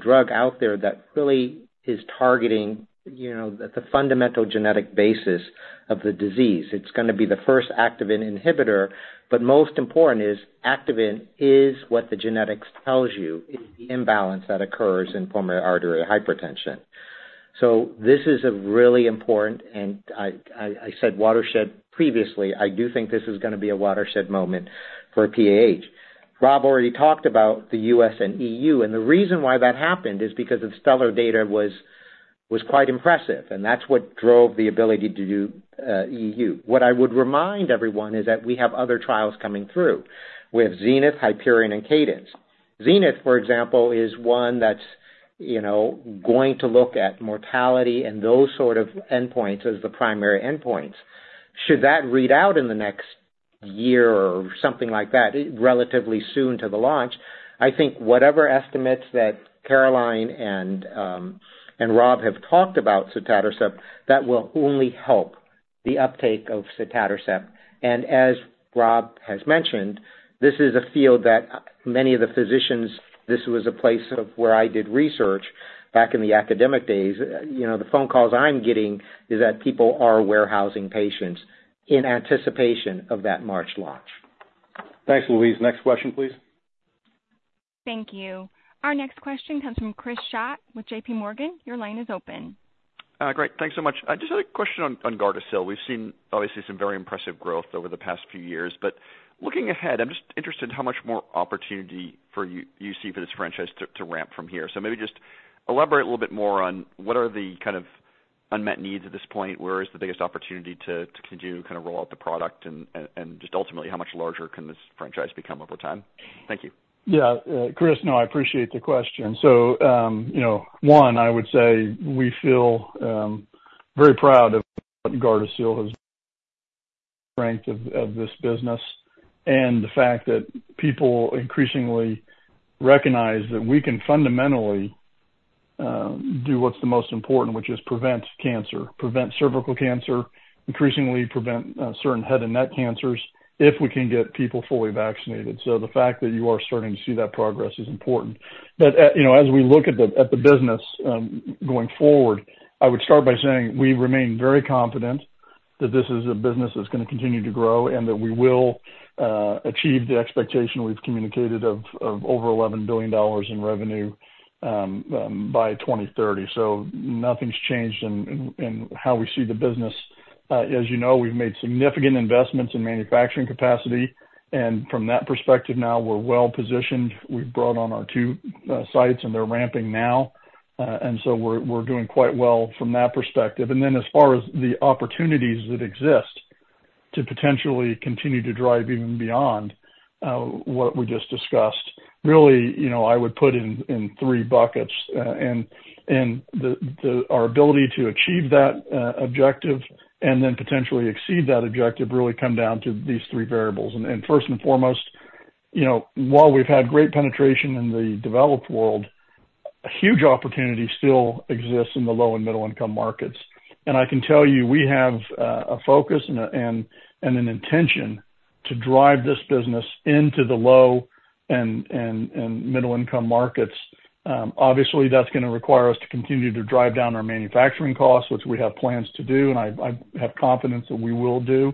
drug out there that really is targeting, you know, the fundamental genetic basis of the disease. It's gonna be the first activin inhibitor, but most important is activin is what the genetics tells you is the imbalance that occurs in pulmonary arterial hypertension. So this is a really important, and I said watershed previously, I do think this is gonna be a watershed moment for PAH. Rob already talked about the US and EU, and the reason why that happened is because the stellar data was quite impressive, and that's what drove the ability to do EU. What I would remind everyone is that we have other trials coming through. We have ZENITH, HYPERION, and CADENCE. ZENITH, for example, is one that's, you know, going to look at mortality and those sort of endpoints as the primary endpoints. Should that read out in the next year or something like that, relatively soon to the launch, I think whatever estimates that Caroline and and Rob have talked about sotatercept, that will only help the uptake of sotatercept. And as Rob has mentioned, this is a field that many of the physicians... This was a place of where I did research back in the academic days. You know, the phone calls I'm getting is that people are warehousing patients in anticipation of that March launch.
Thanks, Louise. Next question, please.
Thank you. Our next question comes from Chris Schott with JP Morgan. Your line is open.
Great, thanks so much. I just had a question on GARDASIL. We've seen obviously some very impressive growth over the past few years, but looking ahead, I'm just interested in how much more opportunity for you see for this franchise to ramp from here. So maybe just elaborate a little bit more on what are the kind of unmet needs at this point? Where is the biggest opportunity to continue to kind of roll out the product? And just ultimately, how much larger can this franchise become over time? Thank you.
Yeah, Chris, no, I appreciate the question. So, you know, one, I would say we feel very proud of Gardasil, the strength of this business, and the fact that people increasingly recognize that we can fundamentally do what's the most important, which is prevent cancer, prevent cervical cancer, increasingly prevent certain head and neck cancers, if we can get people fully vaccinated. So the fact that you are starting to see that progress is important. But, you know, as we look at the business going forward, I would start by saying we remain very confident that this is a business that's gonna continue to grow, and that we will achieve the expectation we've communicated of over $11 billion in revenue by 2030. So nothing's changed in how we see the business. As you know, we've made significant investments in manufacturing capacity, and from that perspective, now we're well positioned. We've brought on our two sites, and they're ramping now. And so we're doing quite well from that perspective. And then, as far as the opportunities that exist to potentially continue to drive even beyond what we just discussed, really, you know, I would put in three buckets. Our ability to achieve that objective and then potentially exceed that objective really come down to these three variables. First and foremost, you know, while we've had great penetration in the developed world, a huge opportunity still exists in the low and middle-income markets. I can tell you, we have a focus and an intention to drive this business into the low and middle-income markets. Obviously, that's gonna require us to continue to drive down our manufacturing costs, which we have plans to do, and I have confidence that we will do,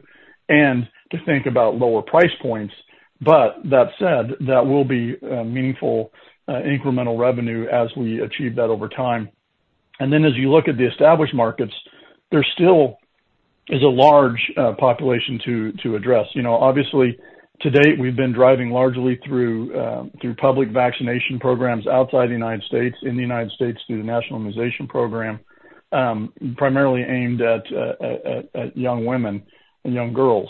and to think about lower price points. But that said, that will be a meaningful incremental revenue as we achieve that over time. And then as you look at the established markets, there still is a large population to address. You know, obviously, to date, we've been driving largely through public vaccination programs outside the United States, in the United States, through the national immunization program, primarily aimed at young women and young girls.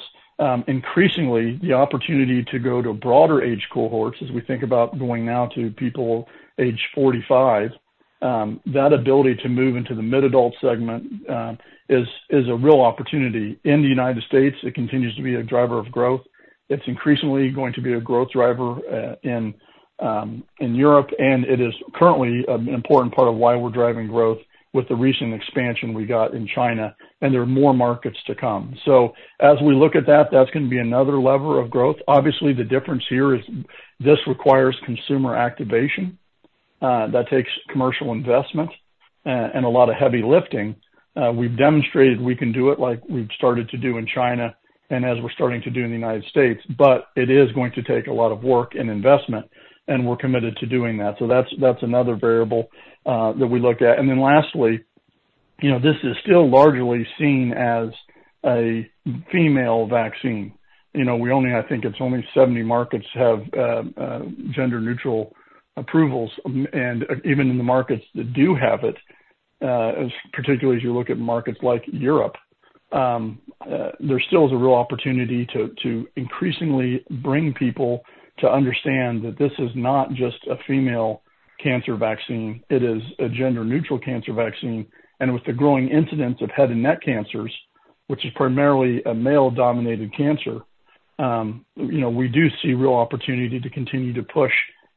Increasingly, the opportunity to go to broader age cohorts, as we think about going now to people age 45. That ability to move into the mid-adult segment is, is a real opportunity. In the United States, it continues to be a driver of growth. It's increasingly going to be a growth driver in Europe, and it is currently an important part of why we're driving growth with the recent expansion we got in China, and there are more markets to come. So as we look at that, that's gonna be another lever of growth. Obviously, the difference here is this requires consumer activation that takes commercial investment and a lot of heavy lifting. We've demonstrated we can do it like we've started to do in China and as we're starting to do in the United States, but it is going to take a lot of work and investment, and we're committed to doing that. So that's, that's another variable that we looked at. And then lastly, you know, this is still largely seen as a female vaccine. You know, we only, I think it's only 70 markets have gender-neutral approvals. And even in the markets that do have it, as particularly as you look at markets like Europe, there still is a real opportunity to increasingly bring people to understand that this is not just a female cancer vaccine, it is a gender-neutral cancer vaccine. And with the growing incidence of head and neck cancers, which is primarily a male-dominated cancer, you know, we do see real opportunity to continue to push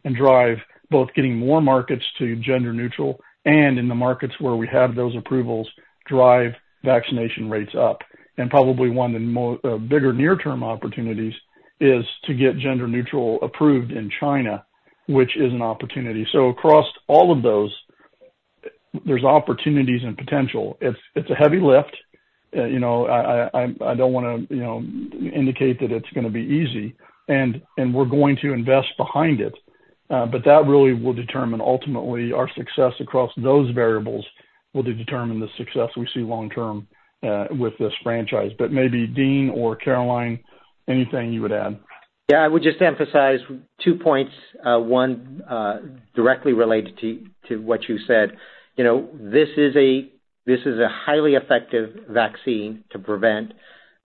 and drive, both getting more markets to gender neutral and in the markets where we have those approvals, drive vaccination rates up. And probably one of the bigger near-term opportunities is to get gender-neutral approved in China, which is an opportunity. So across all of those, there's opportunities and potential. It's a heavy lift. You know, I don't wanna, you know, indicate that it's gonna be easy, and we're going to invest behind it. But that really will determine ultimately, our success across those variables will determine the success we see long term with this franchise. But maybe Dean or Caroline, anything you would add?
Yeah, I would just emphasize two points, one, directly related to what you said. You know, this is a, this is a highly effective vaccine to prevent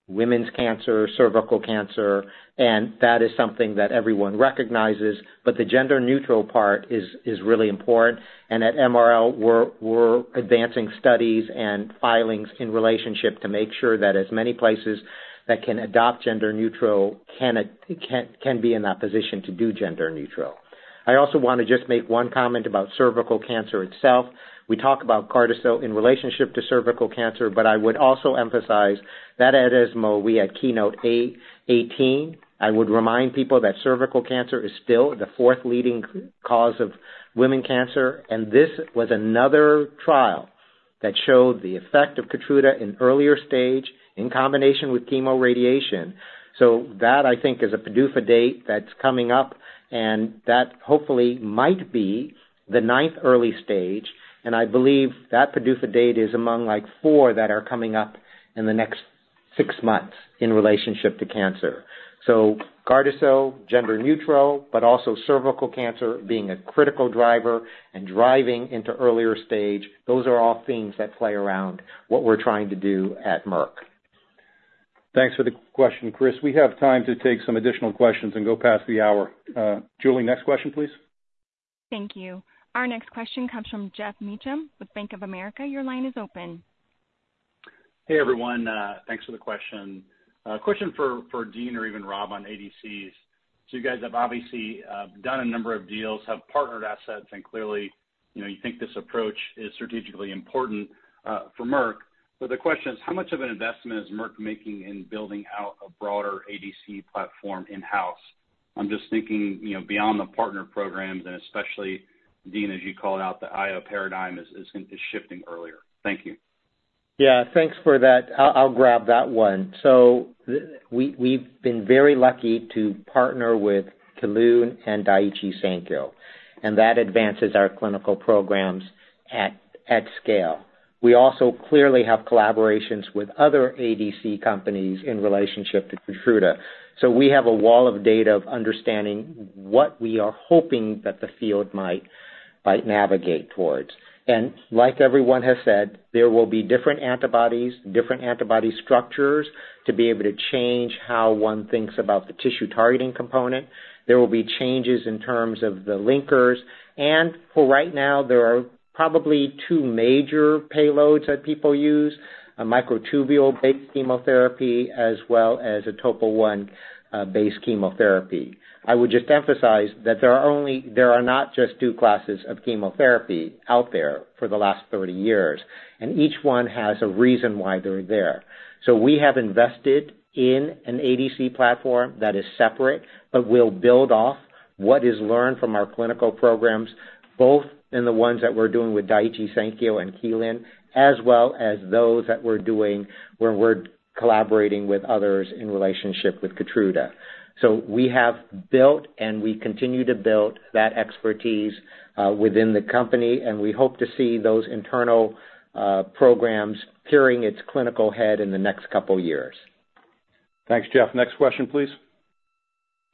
women's cancer, cervical cancer, and that is something that everyone recognizes. But the gender-neutral part is really important. And at MRL, we're advancing studies and filings in relationship to make sure that as many places that can adopt gender neutral can be in that position to do gender neutral. I also want to just make one comment about cervical cancer itself. We talk about Gardasil in relationship to cervical cancer, but I would also emphasize that at ESMO, we had KEYNOTE-A18. I would remind people that cervical cancer is still the fourth leading cause of women's cancer, and this was another trial that showed the effect of KEYTRUDA in earlier stage in combination with chemoradiation. So that, I think, is a PDUFA date that's coming up, and that hopefully might be the ninth early stage, and I believe that PDUFA date is among like four that are coming up in the next six months in relationship to cancer. So GARDASIL, gender neutral, but also cervical cancer being a critical driver and driving into earlier stage, those are all themes that play around what we're trying to do at Merck.
Thanks for the question, Chris. We have time to take some additional questions and go past the hour. Julie, next question, please.
Thank you. Our next question comes from Geoff Meacham with Bank of America. Your line is open.
Hey, everyone, thanks for the question. Question for Dean or even Rob on ADCs. So you guys have obviously done a number of deals, have partnered assets, and clearly, you know, you think this approach is strategically important for Merck. But the question is, how much of an investment is Merck making in building out a broader ADC platform in-house? I'm just thinking, you know, beyond the partner programs, and especially, Dean, as you called out, the IO paradigm is shifting earlier. Thank you.
Yeah, thanks for that. I'll grab that one. So we've been very lucky to partner with Kelun and Daiichi Sankyo, and that advances our clinical programs at scale. We also clearly have collaborations with other ADC companies in relationship to KEYTRUDA. So we have a wall of data of understanding what we are hoping that the field might navigate towards. And like everyone has said, there will be different antibodies, different antibody structures to be able to change how one thinks about the tissue targeting component. There will be changes in terms of the linkers, and for right now, there are probably two major payloads that people use, a microtubule-based chemotherapy as well as a Topo I based chemotherapy. I would just emphasize that there are only—not just two classes of chemotherapy out there for the last 30 years, and each one has a reason why they're there. We have invested in an ADC platform that is separate, but will build off what is learned from our clinical programs, both in the ones that we're doing with Daiichi Sankyo and Kelun, as well as those that we're doing where we're collaborating with others in relationship with KEYTRUDA. We have built and we continue to build that expertise within the company, and we hope to see those internal programs appearing its clinical head in the next couple of years.
Thanks, Geoff. Next question, please.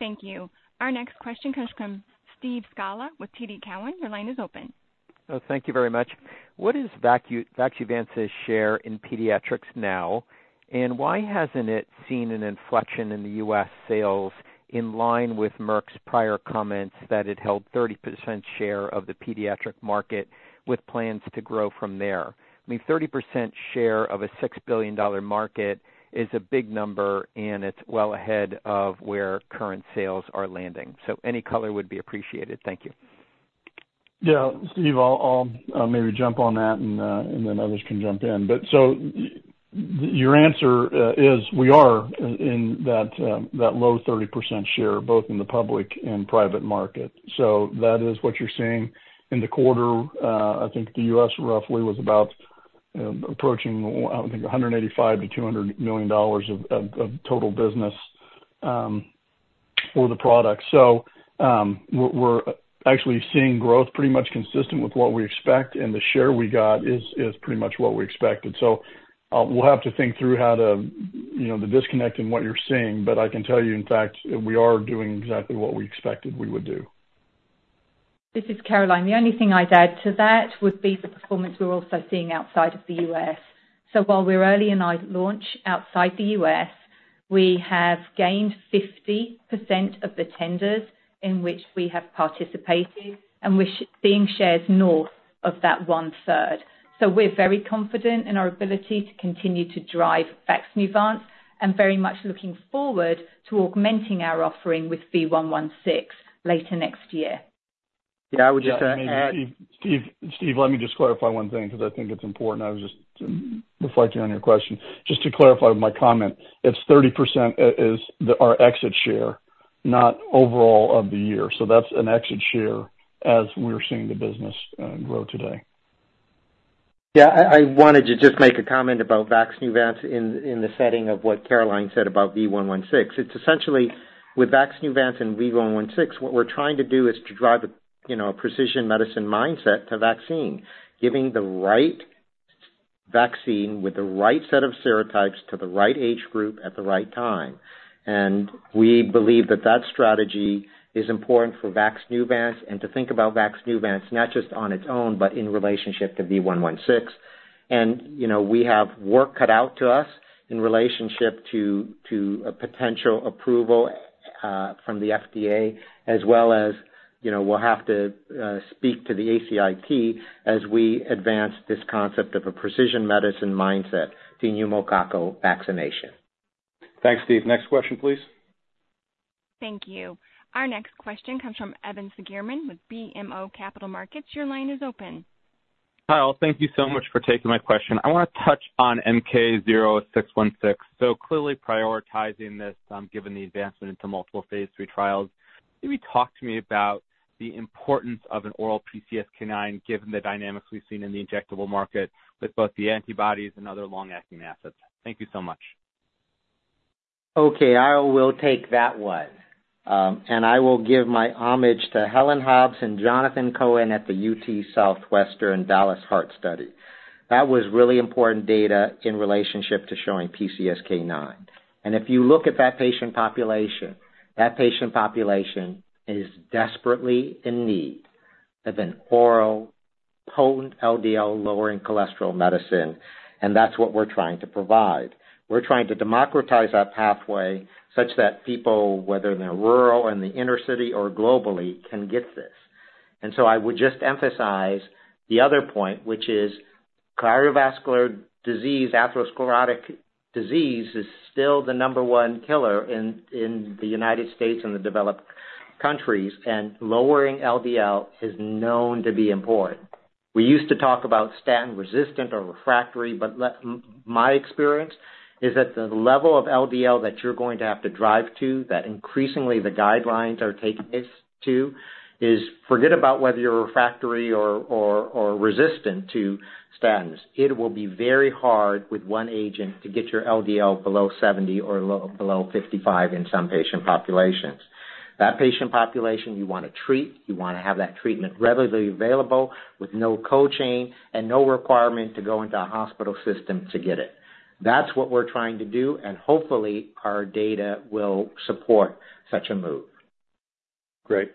Thank you. Our next question comes from Steve Scala with TD Cowen. Your line is open.
Oh, thank you very much. What is VAXNEUVANCE's share in pediatrics now, and why hasn't it seen an inflection in the U.S. sales in line with Merck's prior comments that it held 30% share of the pediatric market with plans to grow from there? I mean, 30% share of a $6 billion market is a big number, and it's well ahead of where current sales are landing. So any color would be appreciated. Thank you.
Yeah, Steve, I'll maybe jump on that and then others can jump in. But so your answer is we are in that low 30% share, both in the public and private market. So that is what you're seeing in the quarter. I think the U.S. roughly was about approaching $185 million to $200 million of total business for the product. So, we're actually seeing growth pretty much consistent with what we expect, and the share we got is pretty much what we expected. So, we'll have to think through how to, you know, the disconnect in what you're seeing. But I can tell you, in fact, we are doing exactly what we expected we would do.
This is Caroline. The only thing I'd add to that would be the performance we're also seeing outside of the U.S. So while we're early in our launch outside of the U.S., we have gained 50% of the tenders in which we have participated, and we're seeing shares north of that one-third. So we're very confident in our ability to continue to drive VAXNEUVANCE and very much looking forward to augmenting our offering with V116 later next year.
Yeah, I would just add-
Steve, Steve, let me just clarify one thing because I think it's important. I was just reflecting on your question. Just to clarify my comment, it's 30%, our exit share, not overall of the year. So that's an exit share as we're seeing the business, grow today.
Yeah, I wanted to just make a comment about VAXNEUVANCE in the setting of what Caroline said about V116. It's essentially with VAXNEUVANCE and V116, what we're trying to do is to drive a, you know, precision medicine mindset to vaccine, giving the right vaccine with the right set of serotypes to the right age group at the right time. And we believe that that strategy is important for VAXNEUVANCE and to think about VAXNEUVANCE, not just on its own, but in relationship to V116. And, you know, we have work cut out to us in relationship to a potential approval from the FDA, as well as, you know, we'll have to speak to the ACIP as we advance this concept of a precision medicine mindset to pneumococcal vaccination.
Thanks, Steve. Next question, please.
Thank you. Our next question comes from Evan Seigerman with BMO Capital Markets. Your line is open.
Hi, all. Thank you so much for taking my question. I want to touch on MK-0616, so clearly prioritizing this, given the advancement into multiple phase III trials. Maybe talk to me about the importance of an oral PCSK9, given the dynamics we've seen in the injectable market with both the antibodies and other long-acting assets. Thank you so much.
Okay, I will take that one. And I will give my homage to Helen Hobbs and Jonathan Cohen at the UT Southwestern Dallas Heart Study. That was really important data in relationship to showing PCSK9. And if you look at that patient population, that patient population is desperately in need of an oral, potent LDL-lowering cholesterol medicine, and that's what we're trying to provide. We're trying to democratize that pathway such that people, whether they're rural, in the inner city or globally, can get this. And so I would just emphasize the other point, which is cardiovascular disease, atherosclerotic disease, is still the number one killer in the United States and the developed countries, and lowering LDL is known to be important. We used to talk about statin resistant or refractory, but my experience is that the level of LDL that you're going to have to drive to, that increasingly the guidelines are taking this to, is forget about whether you're refractory or resistant to statins. It will be very hard with one agent to get your LDL below 70 or below 55 in some patient populations. That patient population you want to treat, you want to have that treatment readily available with no co-pay and no requirement to go into a hospital system to get it. That's what we're trying to do, and hopefully, our data will support such a move.
Great.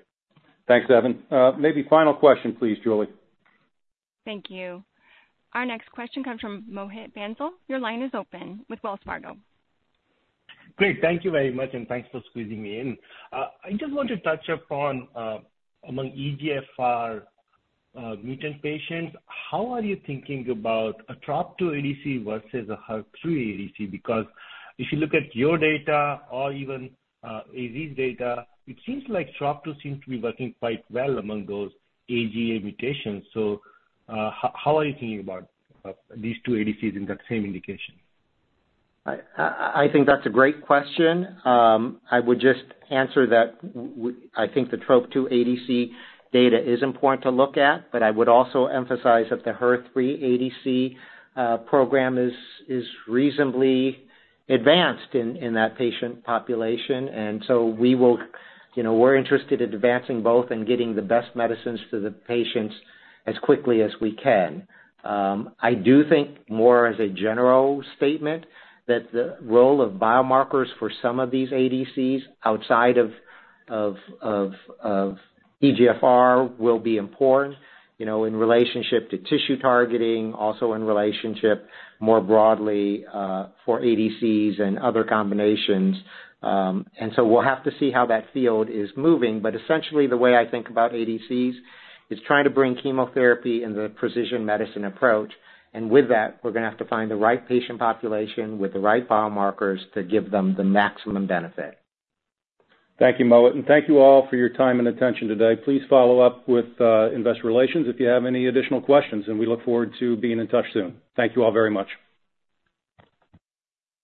Thanks, Evan. Maybe final question, please, Julie.
Thank you. Our next question comes from Mohit Bansal. Your line is open with Wells Fargo.
Great. Thank you very much, and thanks for squeezing me in. I just want to touch upon, among EGFR mutant patients, how are you thinking about a Trop-2 ADC versus a HER3 ADC? Because if you look at your data or even AZ's data, it seems like Trop-2 seems to be working quite well among those EGFR mutations. So, how are you thinking about these two ADCs in that same indication?
I think that's a great question. I would just answer that I think the Trop-2 ADC data is important to look at, but I would also emphasize that the HER3 ADC program is reasonably advanced in that patient population. And so we will you know, we're interested in advancing both and getting the best medicines to the patients as quickly as we can. I do think more as a general statement, that the role of biomarkers for some of these ADCs outside of EGFR will be important, you know, in relationship to tissue targeting, also in relationship more broadly for ADCs and other combinations. And so we'll have to see how that field is moving. But essentially, the way I think about ADCs is trying to bring chemotherapy in the precision medicine approach. With that, we're gonna have to find the right patient population with the right biomarkers to give them the maximum benefit.
Thank you, Mohit, and thank you all for your time and attention today. Please follow up with investor relations if you have any additional questions, and we look forward to being in touch soon. Thank you all very much.